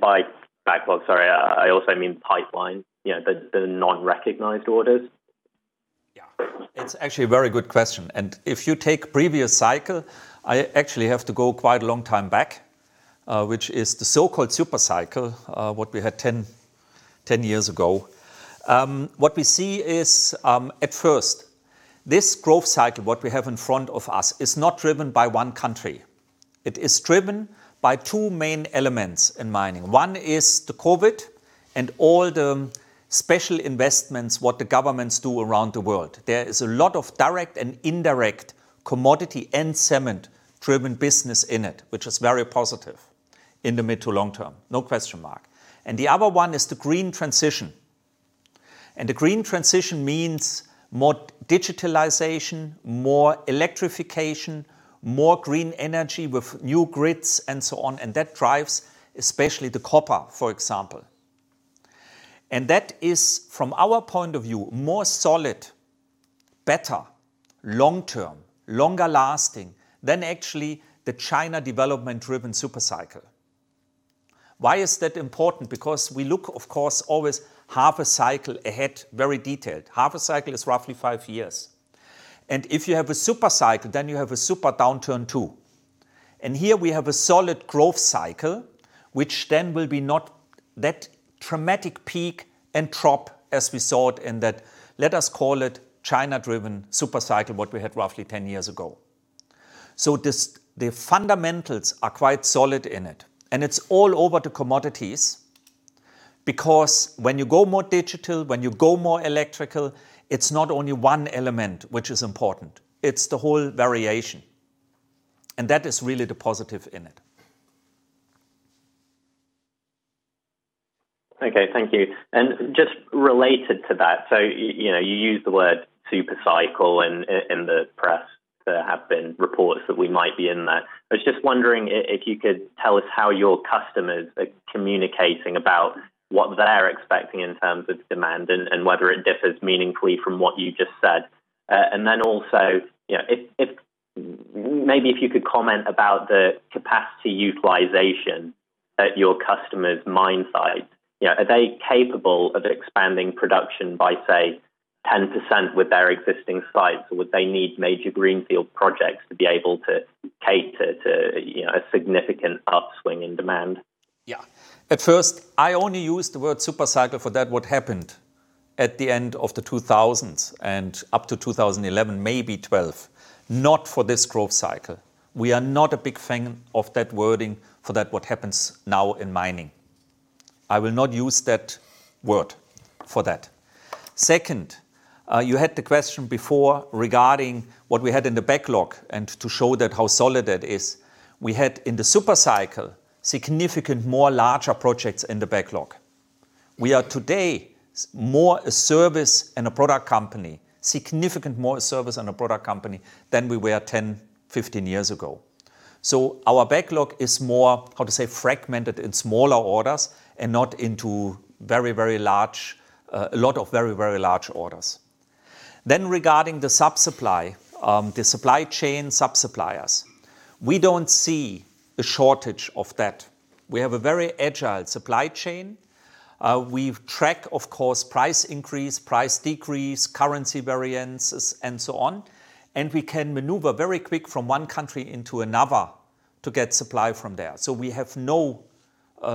By backlog, sorry, I also mean pipeline, the non-recognized orders. Yeah. It's actually a very good question. If you take previous cycle, I actually have to go quite a long time back, which is the so-called super cycle, what we had 10 years ago. What we see is, at first, this growth cycle, what we have in front of us, is not driven by one country. It is driven by two main elements in mining. One is the COVID and all the special investments, what the governments do around the world. There is a lot of direct and indirect commodity and cement-driven business in it, which is very positive in the mid to long term. No question mark. The other one is the green transition. The green transition means more digitalization, more electrification, more green energy with new grids and so on, and that drives especially the copper, for example. That is, from our point of view, more solid, better, long-term, longer lasting than actually the China development-driven super cycle. Why is that important? Because we look, of course, always half a cycle ahead, very detailed. Half a cycle is roughly five years. If you have a super cycle, then you have a super downturn, too. Here we have a solid growth cycle, which then will be not that dramatic peak and drop as we saw it in that, let us call it China-driven super cycle, what we had roughly 10 years ago. The fundamentals are quite solid in it. It's all over to commodities because when you go more digital, when you go more electrical, it's not only one element which is important. It's the whole variation. That is really the positive in it. Okay. Thank you. Just related to that, you use the word super cycle in the press, there have been reports that we might be in that. I was just wondering if you could tell us how your customers are communicating about what they're expecting in terms of demand and whether it differs meaningfully from what you just said. Also, maybe if you could comment about the capacity utilization at your customers' mine sites. Are they capable of expanding production by, say, 10% with their existing sites? Would they need major greenfield projects to be able to cater to a significant upswing in demand? Yeah. At first, I only used the word super cycle for that what happened at the end of the 2000s and up to 2011, maybe 2012, not for this growth cycle. We are not a big fan of that wording for that what happens now in mining. I will not use that word for that. Second, you had the question before regarding what we had in the backlog and to show that how solid that is. We had, in the super cycle, significant more larger projects in the backlog. We are today more a service and a product company, significant more a service and a product company than we were 10, 15 years ago. Our backlog is more, how to say, fragmented in smaller orders and not into a lot of very, very large orders. Regarding the sub-supply, the supply chain sub-suppliers. We don't see a shortage of that. We have a very agile supply chain. We track, of course, price increase, price decrease, currency variances, and so on, and we can maneuver very quick from one country into another to get supply from there. We have no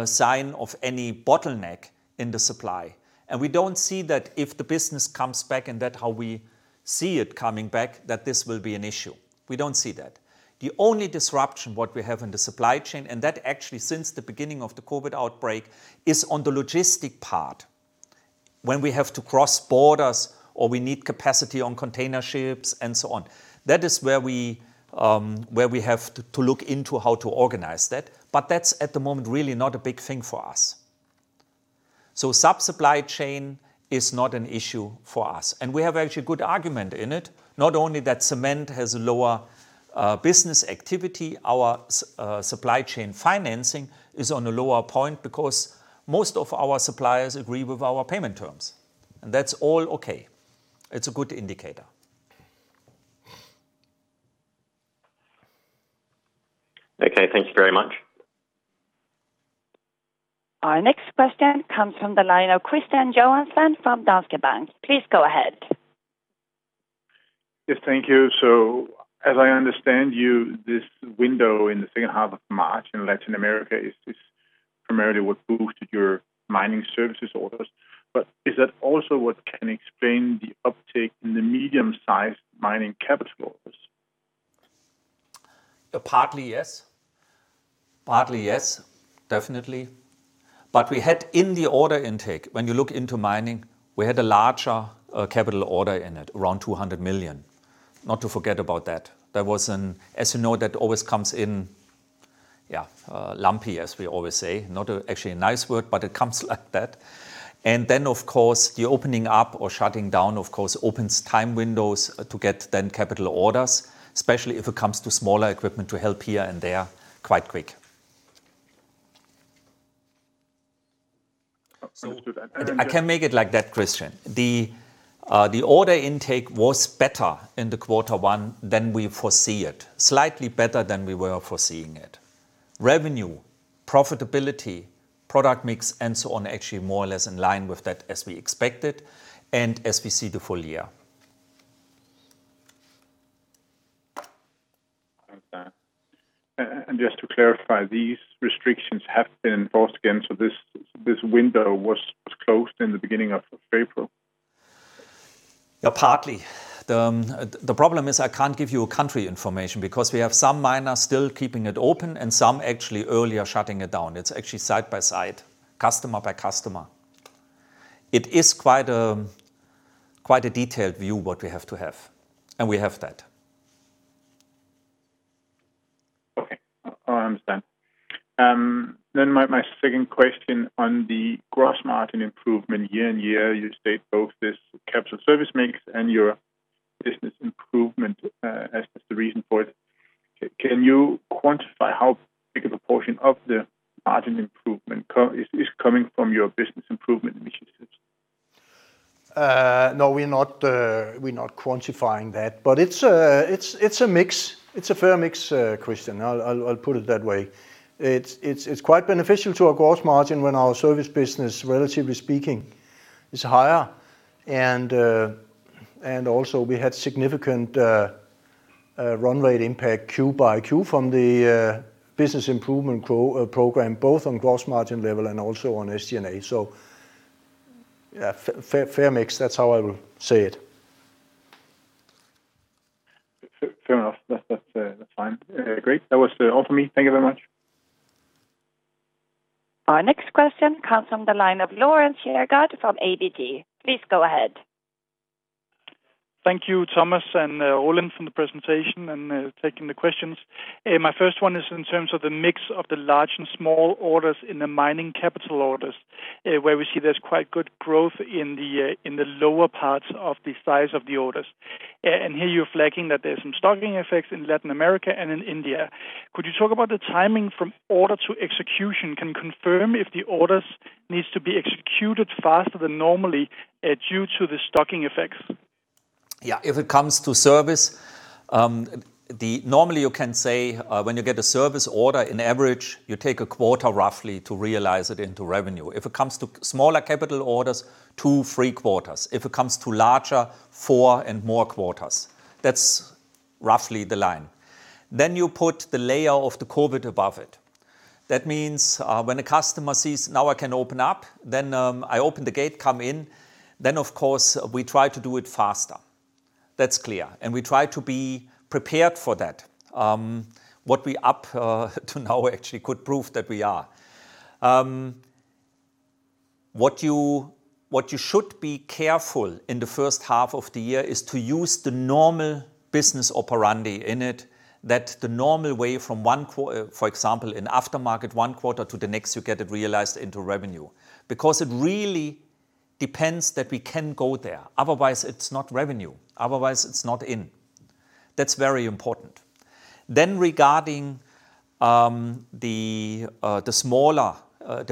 sign of any bottleneck in the supply. We don't see that if the business comes back and that how we see it coming back, that this will be an issue. We don't see that. The only disruption what we have in the supply chain, and that actually since the beginning of the COVID outbreak, is on the logistic part when we have to cross borders or we need capacity on container ships and so on. That is where we have to look into how to organize that. That's, at the moment, really not a big thing for us. Sub-supply chain is not an issue for us. We have actually a good argument in it. Not only that cement has a lower business activity, our supply chain financing is on a lower point because most of our suppliers agree with our payment terms. That's all okay. It's a good indicator. Okay. Thank you very much. Our next question comes from the line of Kristian Johansen from Danske Bank. Please go ahead. Yes. Thank you. As I understand you, this window in the second half of March in Latin America is primarily what boosted your mining services orders. Is that also what can explain the uptick in the medium-sized mining capital orders? Partly, yes. Partly, yes. Definitely. We had in the order intake, when you look into mining, we had a larger capital order in it, around 200 million. Not to forget about that. As you know, that always comes in. Yeah. Lumpy, as we always say. Not actually a nice word, it comes like that. Of course, the opening up or shutting down, of course, opens time windows to get then capital orders, especially if it comes to smaller equipment to help here and there quite quick. Understood. I can make it like that, Kristian. The order intake was better in the quarter one than we foresee it, slightly better than we were foreseeing it. Revenue, profitability, product mix, and so on, actually more or less in line with that as we expected and as we see the full year. Okay. Just to clarify, these restrictions have been enforced again, so this window was closed in the beginning of April? Yeah, partly. The problem is I can't give you a country information because we have some miners still keeping it open and some actually earlier shutting it down. It's actually side by side, customer by customer. It is quite a detailed view what we have to have. We have that. Okay. I understand. My second question on the gross margin improvement year-over-year, you state both this capital service mix and your business improvement as the reason for it. Can you quantify how big a portion of the margin improvement is coming from your business improvement initiatives? No, we're not quantifying that. It's a mix. It's a fair mix, Kristian, I'll put it that way. It's quite beneficial to our gross margin when our service business, relatively speaking, is higher. Also, we had significant run rate impact Q-by-Q from the business improvement program, both on gross margin level and also on SG&A. Yeah, fair mix. That's how I will say it. Fair enough. That's fine. Great. That was all for me. Thank you very much. Our next question comes from the line of Lawrence Jergaard from ABG. Please go ahead. Thank you, Thomas and Roland, from the presentation and taking the questions. My first one is in terms of the mix of the large and small orders in the mining capital orders, where we see there's quite good growth in the lower parts of the size of the orders. Here you're flagging that there's some stocking effects in Latin America and in India. Could you talk about the timing from order to execution? Can confirm if the orders needs to be executed faster than normally due to the stocking effects? Yeah. If it comes to service, normally you can say when you get a service order, in average, you take a quarter roughly to realize it into revenue. If it comes to smaller capital orders, two, three quarters. If it comes to larger, four and more quarters. That's roughly the line. You put the layer of the COVID above it. That means when a customer sees, "Now I can open up," then I open the gate, come in. Of course, we try to do it faster. That's clear. We try to be prepared for that. What we up to now actually could prove that we are. What you should be careful in the first half of the year is to use the normal business operandi in it, that the normal way from one quarter, for example, in aftermarket one quarter to the next, you get it realized into revenue. It really depends that we can go there. Otherwise, it's not revenue. Otherwise, it's not in. That's very important. Regarding the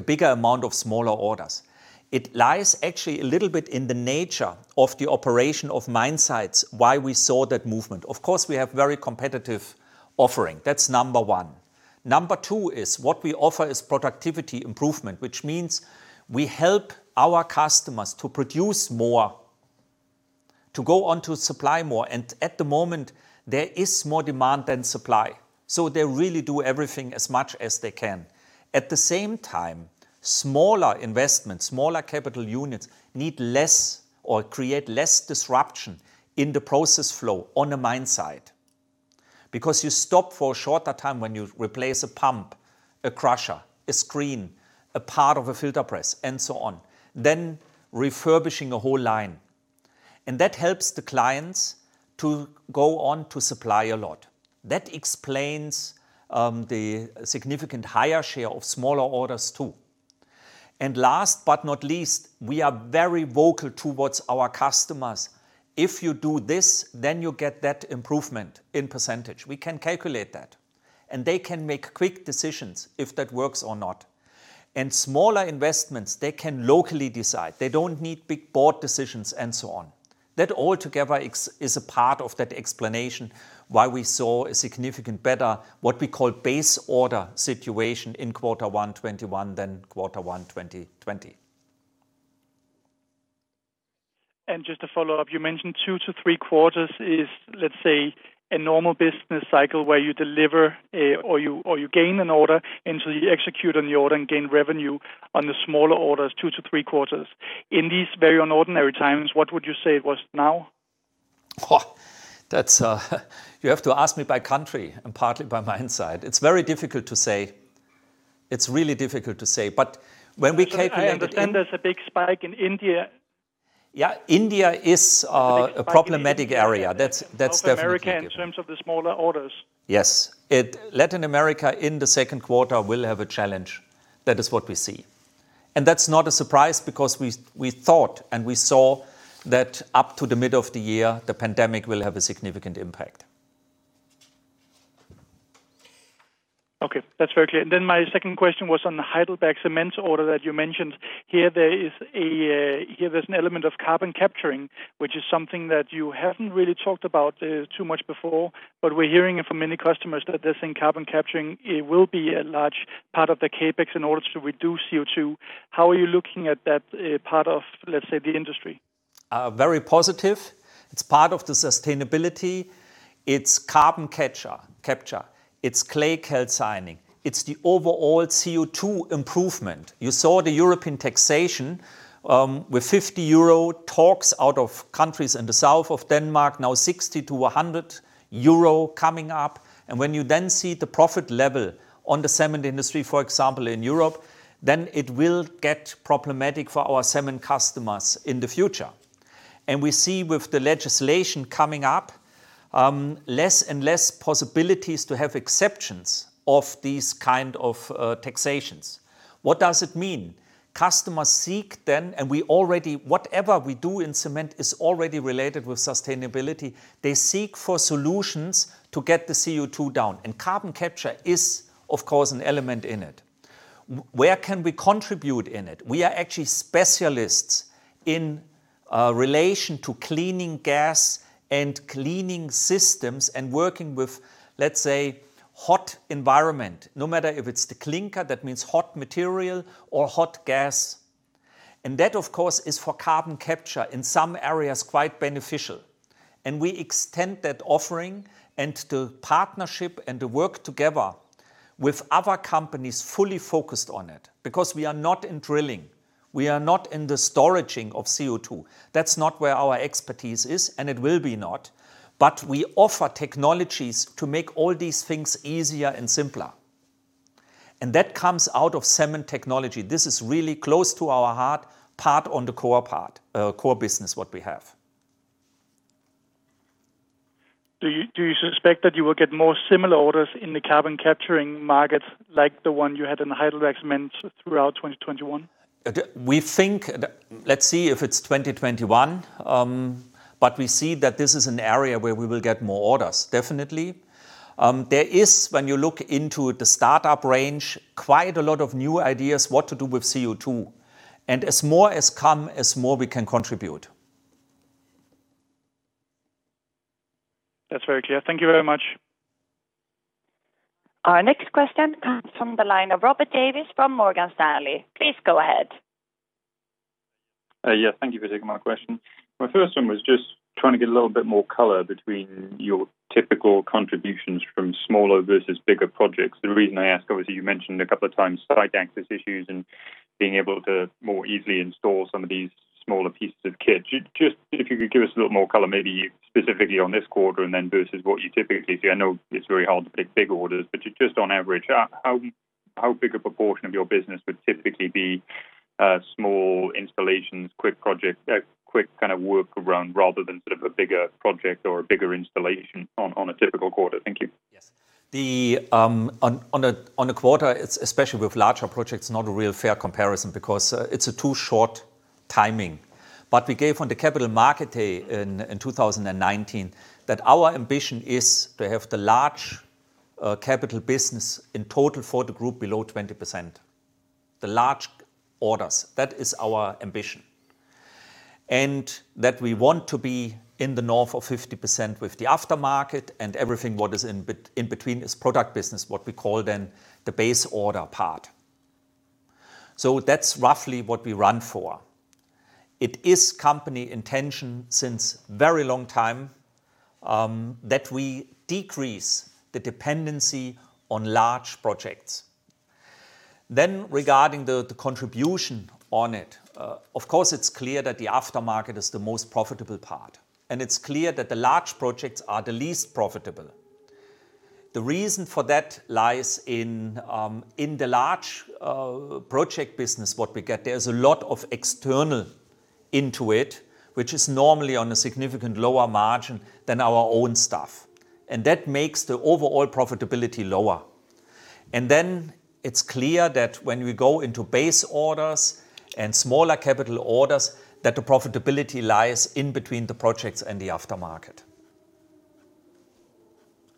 bigger amount of smaller orders, it lies actually a little bit in the nature of the operation of mine sites why we saw that movement. Of course, we have very competitive offering. That's number one. Number two is what we offer is productivity improvement, which means we help our customers to produce more, to go on to supply more. At the moment, there is more demand than supply, so they really do everything as much as they can. At the same time, smaller investments, smaller capital units need less or create less disruption in the process flow on a mine site. Because you stop for a shorter time when you replace a pump, a crusher, a screen, a part of a filter press, and so on, than refurbishing a whole line. That helps the clients to go on to supply a lot. That explains the significant higher share of smaller orders, too. Last but not least, we are very vocal towards our customers. If you do this, then you get that improvement in percentage. We can calculate that. They can make quick decisions if that works or not. Smaller investments, they can locally decide. They don't need big board decisions and so on. That altogether is a part of that explanation why we saw a significant better, what we call base order situation in Q1 2021 than Q1 2020. Just to follow up, you mentioned two to three quarters is, let's say, a normal business cycle where you deliver or you gain an order, and so you execute on the order and gain revenue on the smaller orders two to three quarters. In these very unusual times, what would you say it was now? You have to ask me by country and partly by mine site. It's really difficult to say. I understand there's a big spike in India. Yeah, India is a problematic area. That's. South America in terms of the smaller orders. Yes. Latin America in the second quarter will have a challenge. That is what we see. That's not a surprise because we thought and we saw that up to the middle of the year, the pandemic will have a significant impact. Okay, that's very clear. Then my second question was on the Heidelberg Materials order that you mentioned. Here, there's an element of carbon capturing, which is something that you haven't really talked about too much before, but we're hearing it from many customers that they think carbon capturing will be a large part of the CapEx in order to reduce CO2. How are you looking at that part of, let's say, the industry? Very positive. It's part of the sustainability. It's carbon capture, it's clay calcining. It's the overall CO2 improvement. You saw the European taxation, with 50 euro talks out of countries in the south of Denmark, now 60-100 euro coming up. When you then see the profit level on the cement industry, for example, in Europe, then it will get problematic for our cement customers in the future. We see with the legislation coming up, less and less possibilities to have exceptions of these kind of taxations. What does it mean? Customers seek then, whatever we do in cement is already related with sustainability. They seek for solutions to get the CO2 down. Carbon capture is, of course, an element in it. Where can we contribute in it? We are actually specialists in relation to cleaning gas and cleaning systems and working with, let's say, hot environment, no matter if it's the clinker, that means hot material or hot gas. That, of course, is for carbon capture in some areas, quite beneficial. We extend that offering and the partnership and the work together with other companies fully focused on it, because we are not in drilling. We are not in the storaging of CO2. That's not where our expertise is, and it will be not. We offer technologies to make all these things easier and simpler. That comes out of cement technology. This is really close to our heart part on the core business, what we have. Do you suspect that you will get more similar orders in the carbon capturing market like the one you had in Heidelberg Materials throughout 2021? Let's see if it's 2021. We see that this is an area where we will get more orders, definitely. There is, when you look into the startup range, quite a lot of new ideas what to do with CO2. As more has come, as more we can contribute. That's very clear. Thank you very much. Our next question comes from the line of Robert Davies from Morgan Stanley. Please go ahead. Yeah. Thank you for taking my question. My first one was just trying to get a little bit more color between your typical contributions from smaller versus bigger projects. The reason I ask, obviously, you mentioned a couple of times site access issues and being able to more easily install some of these smaller pieces of kits. Just if you could give us a little more color, maybe specifically on this quarter and then versus what you typically see. I know it's very hard to pick big orders, but just on average, how big a proportion of your business would typically be small installations, quick projects, quick kind of work around rather than sort of a bigger project or a bigger installation on a typical quarter? Thank you. Yes. On a quarter, especially with larger projects, not a real fair comparison because it's a too short timing. We gave on the Capital Markets Day in 2019 that our ambition is to have the large capital business in total for the group below 20%. The large orders. That is our ambition. That we want to be in the north of 50% with the aftermarket and everything what is in between is product business, what we call then the base order part. That's roughly what we run for. It is company intention since very long time, that we decrease the dependency on large projects. Regarding the contribution on it, of course, it's clear that the aftermarket is the most profitable part, and it's clear that the large projects are the least profitable. The reason for that lies in the large project business, what we get, there's a lot of external into it, which is normally on a significant lower margin than our own stuff. That makes the overall profitability lower. It's clear that when we go into base orders and smaller capital orders, that the profitability lies in between the projects and the aftermarket.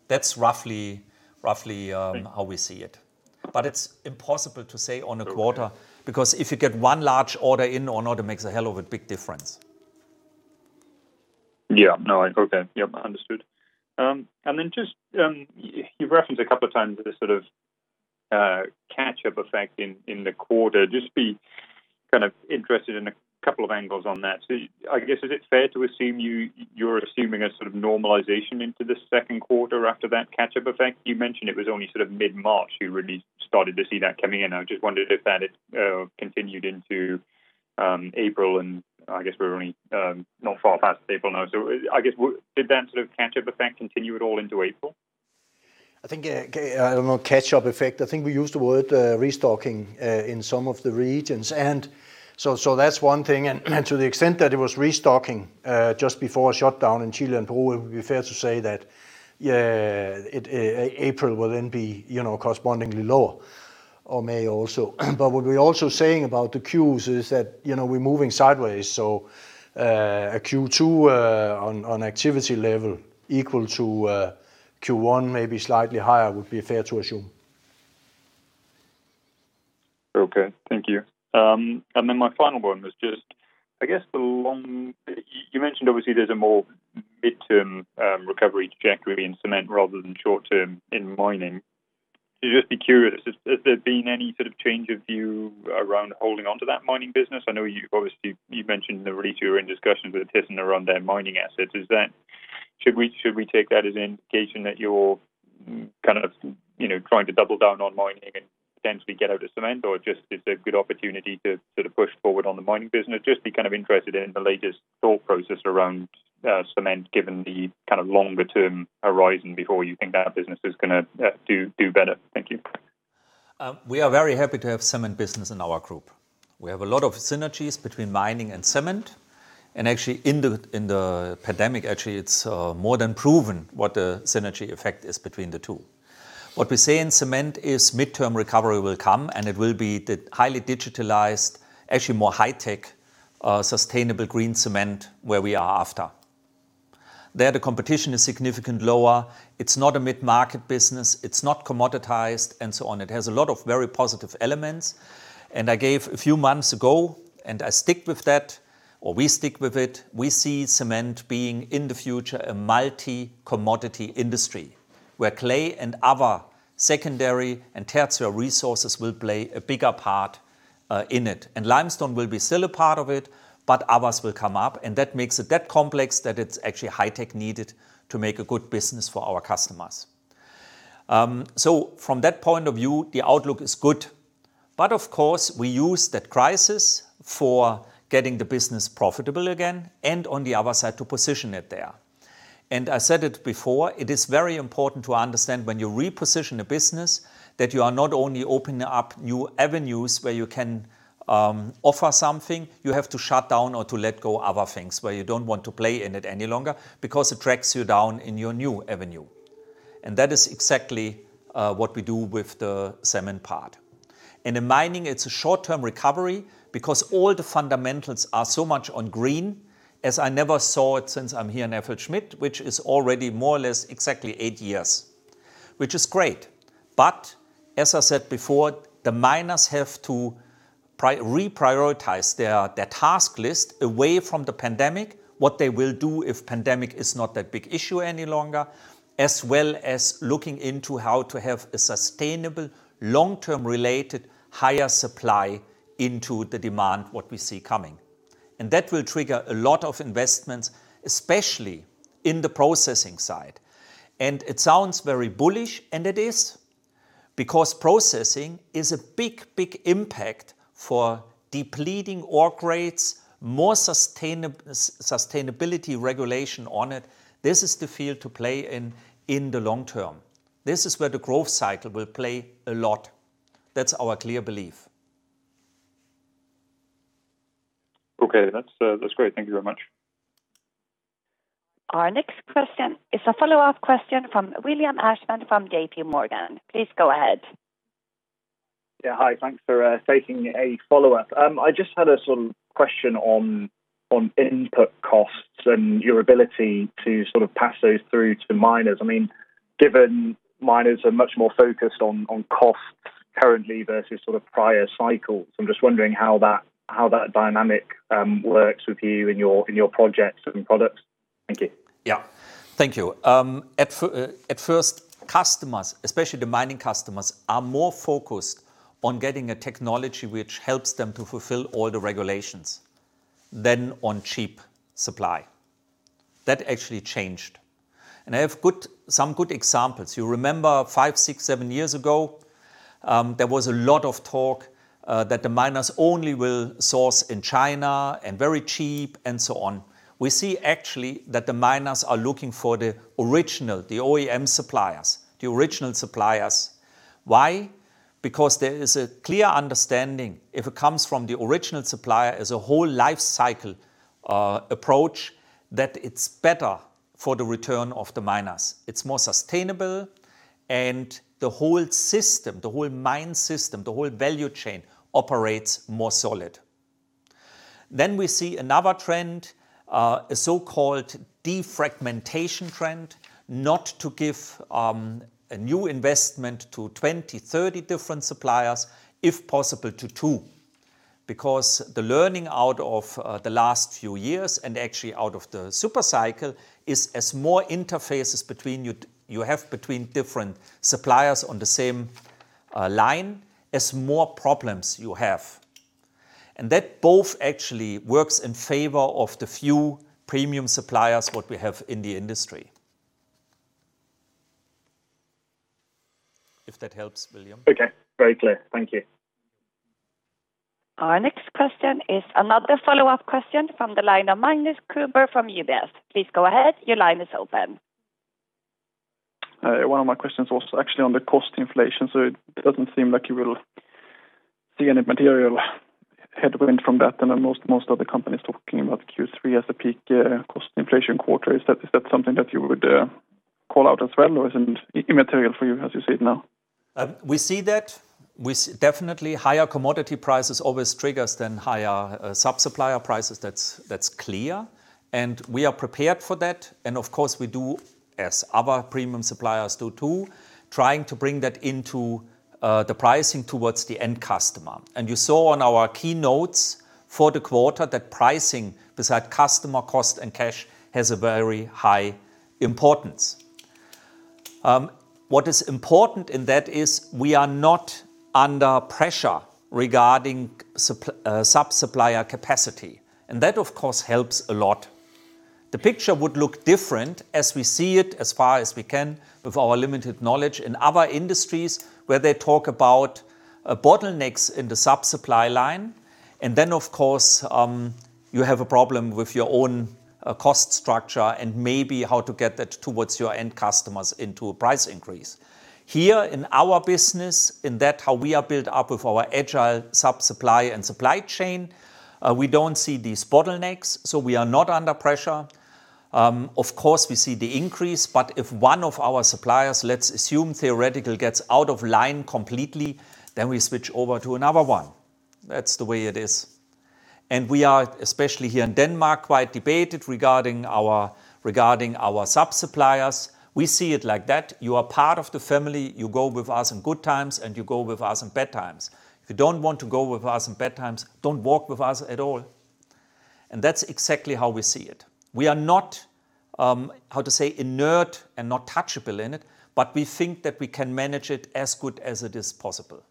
That's roughly how we see it. It's impossible to say on a quarter, because if you get one large order in or not, it makes a hell of a big difference. Yeah. No, okay. Yep. Understood. You've referenced a couple of times the sort of catch-up effect in the quarter. Just be kind of interested in a couple of angles on that. Is it fair to assume you're assuming a sort of normalization into the second quarter after that catch-up effect? You mentioned it was only sort of mid-March you really started to see that coming in. I just wondered if that had continued into April, and I guess we're only not far past April now. Did that sort of catch-up effect continue at all into April? I think, I don't know, catch-up effect. I think we used the word restocking, in some of the regions. That's one thing. To the extent that it was restocking, just before a shutdown in Chile and Peru, it would be fair to say that, April will then be correspondingly lower, or May also. What we're also saying about the queues is that we're moving sideways. Q2, on activity level equal to Q1, maybe slightly higher, would be fair to assume. Okay. Thank you. My final one was just, I guess. You mentioned obviously there's a more mid-term recovery trajectory in cement rather than short-term in mining. Just be curious, has there been any sort of change of view around holding onto that mining business? I know you obviously, you mentioned in the release you were in discussions with thyssenkrupp around their mining assets. Should we take that as an indication that you're kind of trying to double down on mining and potentially get out of cement? Just it's a good opportunity to sort of push forward on the mining business? Just be kind of interested in the latest thought process around cement, given the kind of longer-term horizon before you think that business is going to do better. Thank you. We are very happy to have cement business in our group. We have a lot of synergies between mining and cement, and actually in the pandemic, actually, it's more than proven what the synergy effect is between the two. What we say in cement is mid-term recovery will come, and it will be the highly digitalized, actually more high tech, sustainable green cement where we are after. There, the competition is significantly lower. It's not a mid-market business. It's not commoditized and so on. It has a lot of very positive elements. I gave a few months ago, and I stick with that, or we stick with it. We see cement being, in the future, a multi-commodity industry. Where clay and other secondary and tertiary resources will play a bigger part in it. Limestone will be still a part of it, but others will come up, and that makes it that complex that it's actually high tech needed to make a good business for our customers. From that point of view, the outlook is good. Of course, we use that crisis for getting the business profitable again and on the other side to position it there. I said it before, it is very important to understand when you reposition a business that you are not only opening up new avenues where you can offer something. You have to shut down or to let go other things where you don't want to play in it any longer because it drags you down in your new avenue. That is exactly what we do with the cement part. In mining, it's a short-term recovery because all the fundamentals are so much on green as I never saw it since I'm here in FLSmidth, which is already more or less exactly eight years, which is great. As I said before, the miners have to reprioritize their task list away from the pandemic. What they will do if pandemic is not that big issue any longer, as well as looking into how to have a sustainable long-term related higher supply into the demand, what we see coming. That will trigger a lot of investments, especially in the processing side. It sounds very bullish, and it is, because processing is a big impact for depleting ore grades, more sustainability regulation on it. This is the field to play in the long term. This is where the growth cycle will play a lot. That's our clear belief. Okay, that's great. Thank you very much. Our next question is a follow-up question from William Ashman from JPMorgan. Please go ahead. Yeah. Hi. Thanks for taking a follow-up. I just had a sort of question on input costs and your ability to sort of pass those through to miners. I mean, given miners are much more focused on costs currently versus sort of prior cycles. I'm just wondering how that dynamic works with you in your projects and products. Thank you. Yeah. Thank you. At first, customers, especially the mining customers, are more focused on getting a technology which helps them to fulfill all the regulations than on cheap supply. That actually changed. I have some good examples. You remember five, six, seven years ago, there was a lot of talk that the miners only will source in China and very cheap and so on. We see actually that the miners are looking for the original, the OEM suppliers. The original suppliers. Why? Because there is a clear understanding. If it comes from the original supplier as a whole life cycle approach, that it's better for the return of the miners. It's more sustainable and the whole system, the whole mine system, the whole value chain operates more solid. We see another trend, a so-called defragmentation trend, not to give a new investment to 20, 30 different suppliers, if possible to two. The learning out of the last few years and actually out of the super cycle is as more interfaces you have between different suppliers on the same line is more problems you have. That both actually works in favor of the few premium suppliers, what we have in the industry. If that helps, William. Okay. Very clear. Thank you. Our next question is another follow-up question from the line of Magnus Kruber from UBS. Please go ahead. Your line is open. One of my questions was actually on the cost inflation. It doesn't seem like you will see any material headwinds from that. Most other companies talking about Q3 as a peak cost inflation quarter. Is that something that you would call out as well or is it immaterial for you as you see it now? We see that. Definitely higher commodity prices always trigger then higher sub-supplier prices. That's clear. We are prepared for that. Of course, we do, as other premium suppliers do, too, trying to bring that into the pricing towards the end customer. You saw on our keynotes for the quarter that pricing beside customer cost and cash has a very high importance. What is important in that is we are not under pressure regarding sub-supplier capacity, and that, of course, helps a lot. The picture would look different as we see it, as far as we can with our limited knowledge, in other industries where they talk about bottlenecks in the sub-supply line, and then, of course, you have a problem with your own cost structure and maybe how to get that towards your end customers into a price increase. Here in our business, in that how we are built up with our agile sub-supply and supply chain, we don't see these bottlenecks, so we are not under pressure. Of course, we see the increase, but if one of our suppliers, let's assume theoretically, gets out of line completely, then we switch over to another one. That's the way it is. We are, especially here in Denmark, quite debated regarding our sub-suppliers. We see it like that. You are part of the family. You go with us in good times, and you go with us in bad times. If you don't want to go with us in bad times, don't work with us at all. That's exactly how we see it. We are not, how to say, inert and not touchable in it, but we think that we can manage it as good as it is possible.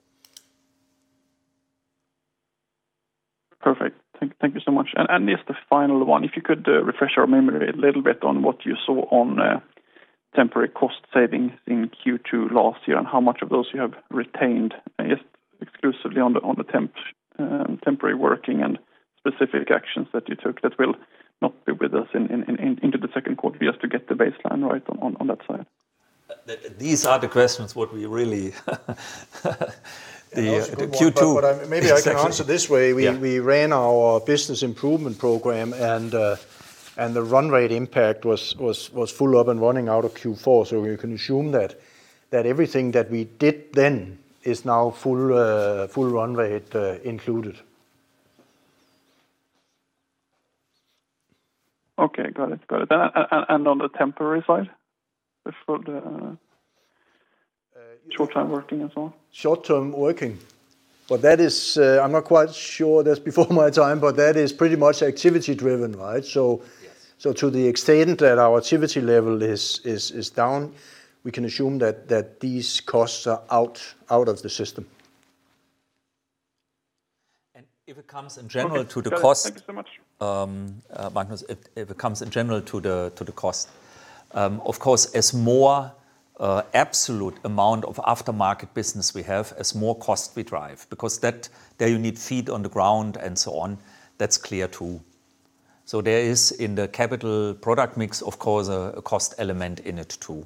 Perfect. Thank you so much. Just a final one. If you could refresh our memory a little bit on what you saw on temporary cost savings in Q2 last year and how much of those you have retained, I guess exclusively on the temporary working and specific actions that you took that will not be with us into the second quarter just to get the baseline right on that side. These are the questions. Maybe I can answer this way. Yeah. We ran our business improvement program, and the run rate impact was full up and running out of Q4. You can assume that everything that we did then is now full run rate included. Okay, got it. On the temporary side for the short-term working and so on? Short-term working. I'm not quite sure, that's before my time, but that is pretty much activity driven, right? Yes. To the extent that our activity level is down, we can assume that these costs are out of the system. if it comes in general to the cost- Thank you so much. Magnus, if it comes in general to the cost. Of course, as more absolute amount of aftermarket business we have, as more cost we drive, because there you need feet on the ground and so on. That's clear, too. There is, in the capital product mix, of course, a cost element in it, too.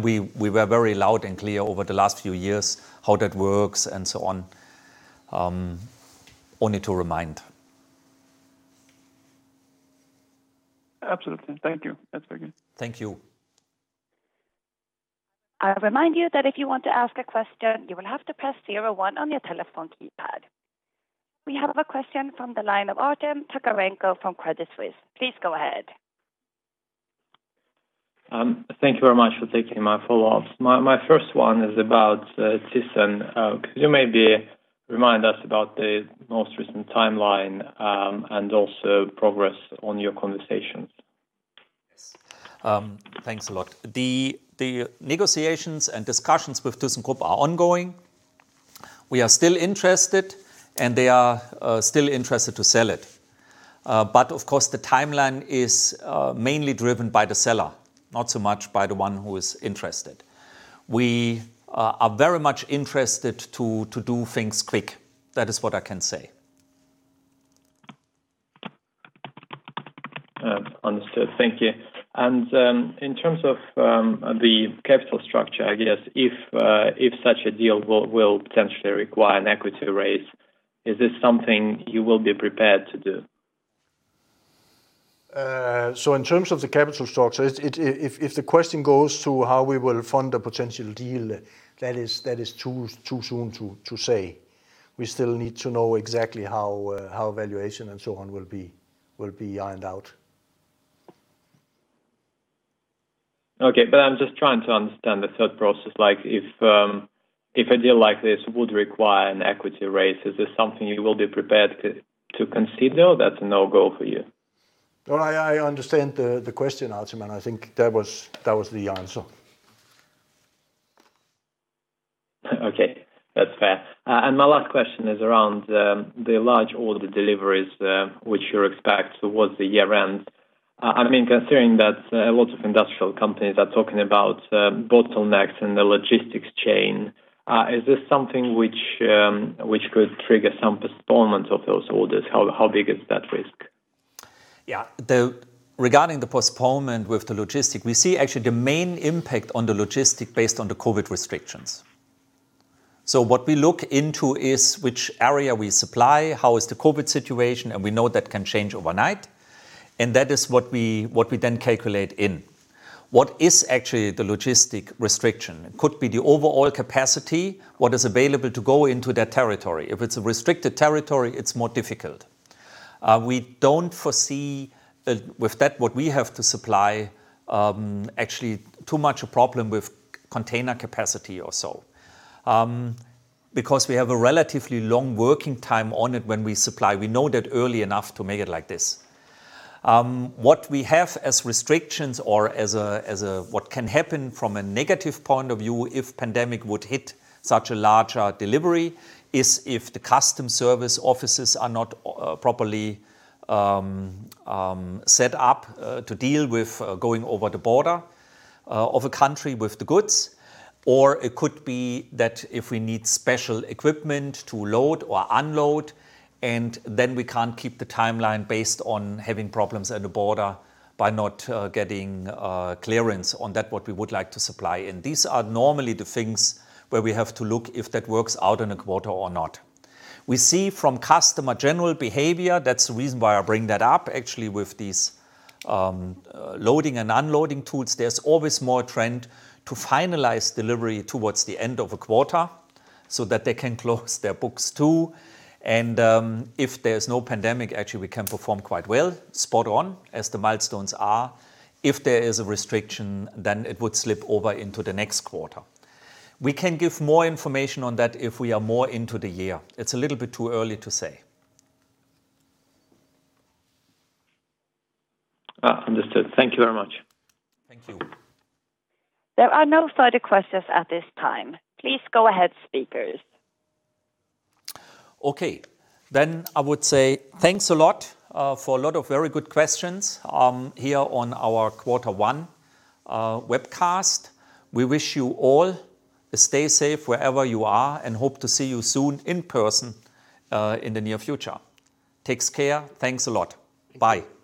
We were very loud and clear over the last few years how that works and so on. Only to remind. Absolutely. Thank you. That's very good. Thank you. I remind you that if you want to ask a question, you will have to press zero one on your telephone keypad. We have a question from the line of Artem Tkachenko from Credit Suisse. Please go ahead. Thank you very much for taking my follow-ups. My first one is about thyssen. Could you maybe remind us about the most recent timeline, and also progress on your conversations? Yes. Thanks a lot. The negotiations and discussions with thyssenkrupp are ongoing. We are still interested, and they are still interested to sell it. Of course, the timeline is mainly driven by the seller, not so much by the one who is interested. We are very much interested to do things quick. That is what I can say. Understood. Thank you. In terms of the capital structure, I guess if such a deal will potentially require an equity raise, is this something you will be prepared to do? In terms of the capital structure, if the question goes to how we will fund a potential deal, that is too soon to say. We still need to know exactly how valuation and so on will be ironed out. Okay. I'm just trying to understand the thought process. If a deal like this would require an equity raise, is this something you will be prepared to consider or that's a no-go for you? No, I understand the question, Artem, and I think that was the answer. Okay. That's fair. My last question is around the large order deliveries, which you expect towards the year end. Considering that lots of industrial companies are talking about bottlenecks in the logistics chain, is this something which could trigger some postponement of those orders? How big is that risk? Yeah. Regarding the postponement with the logistic, we see actually the main impact on the logistic based on the COVID restrictions. What we look into is which area we supply, how is the COVID situation, and we know that can change overnight, and that is what we then calculate in. What is actually the logistic restriction? It could be the overall capacity, what is available to go into that territory. If it's a restricted territory, it's more difficult. We don't foresee that with what we have to supply, actually too much a problem with container capacity or so. We have a relatively long working time on it when we supply. We know that early enough to make it like this. What we have as restrictions or as a what can happen from a negative point of view if pandemic would hit such a large delivery is if the custom service offices are not properly set up to deal with going over the border of a country with the goods. It could be that if we need special equipment to load or unload, and then we can't keep the timeline based on having problems at the border by not getting clearance on that what we would like to supply in. These are normally the things where we have to look if that works out in a quarter or not. We see from customer general behavior, that's the reason why I bring that up actually with these loading and unloading tools, there's always more trend to finalize delivery towards the end of a quarter so that they can close their books, too. If there's no pandemic, actually, we can perform quite well, spot on as the milestones are. If there is a restriction, it would slip over into the next quarter. We can give more information on that if we are more into the year. It's a little bit too early to say. Understood. Thank you very much. Thank you. There are no further questions at this time. Please go ahead, speakers. Okay. I would say thanks a lot, for a lot of very good questions, here on our Q1 webcast. We wish you all to stay safe wherever you are and hope to see you soon in person, in the near future. Take care. Thanks a lot. Bye.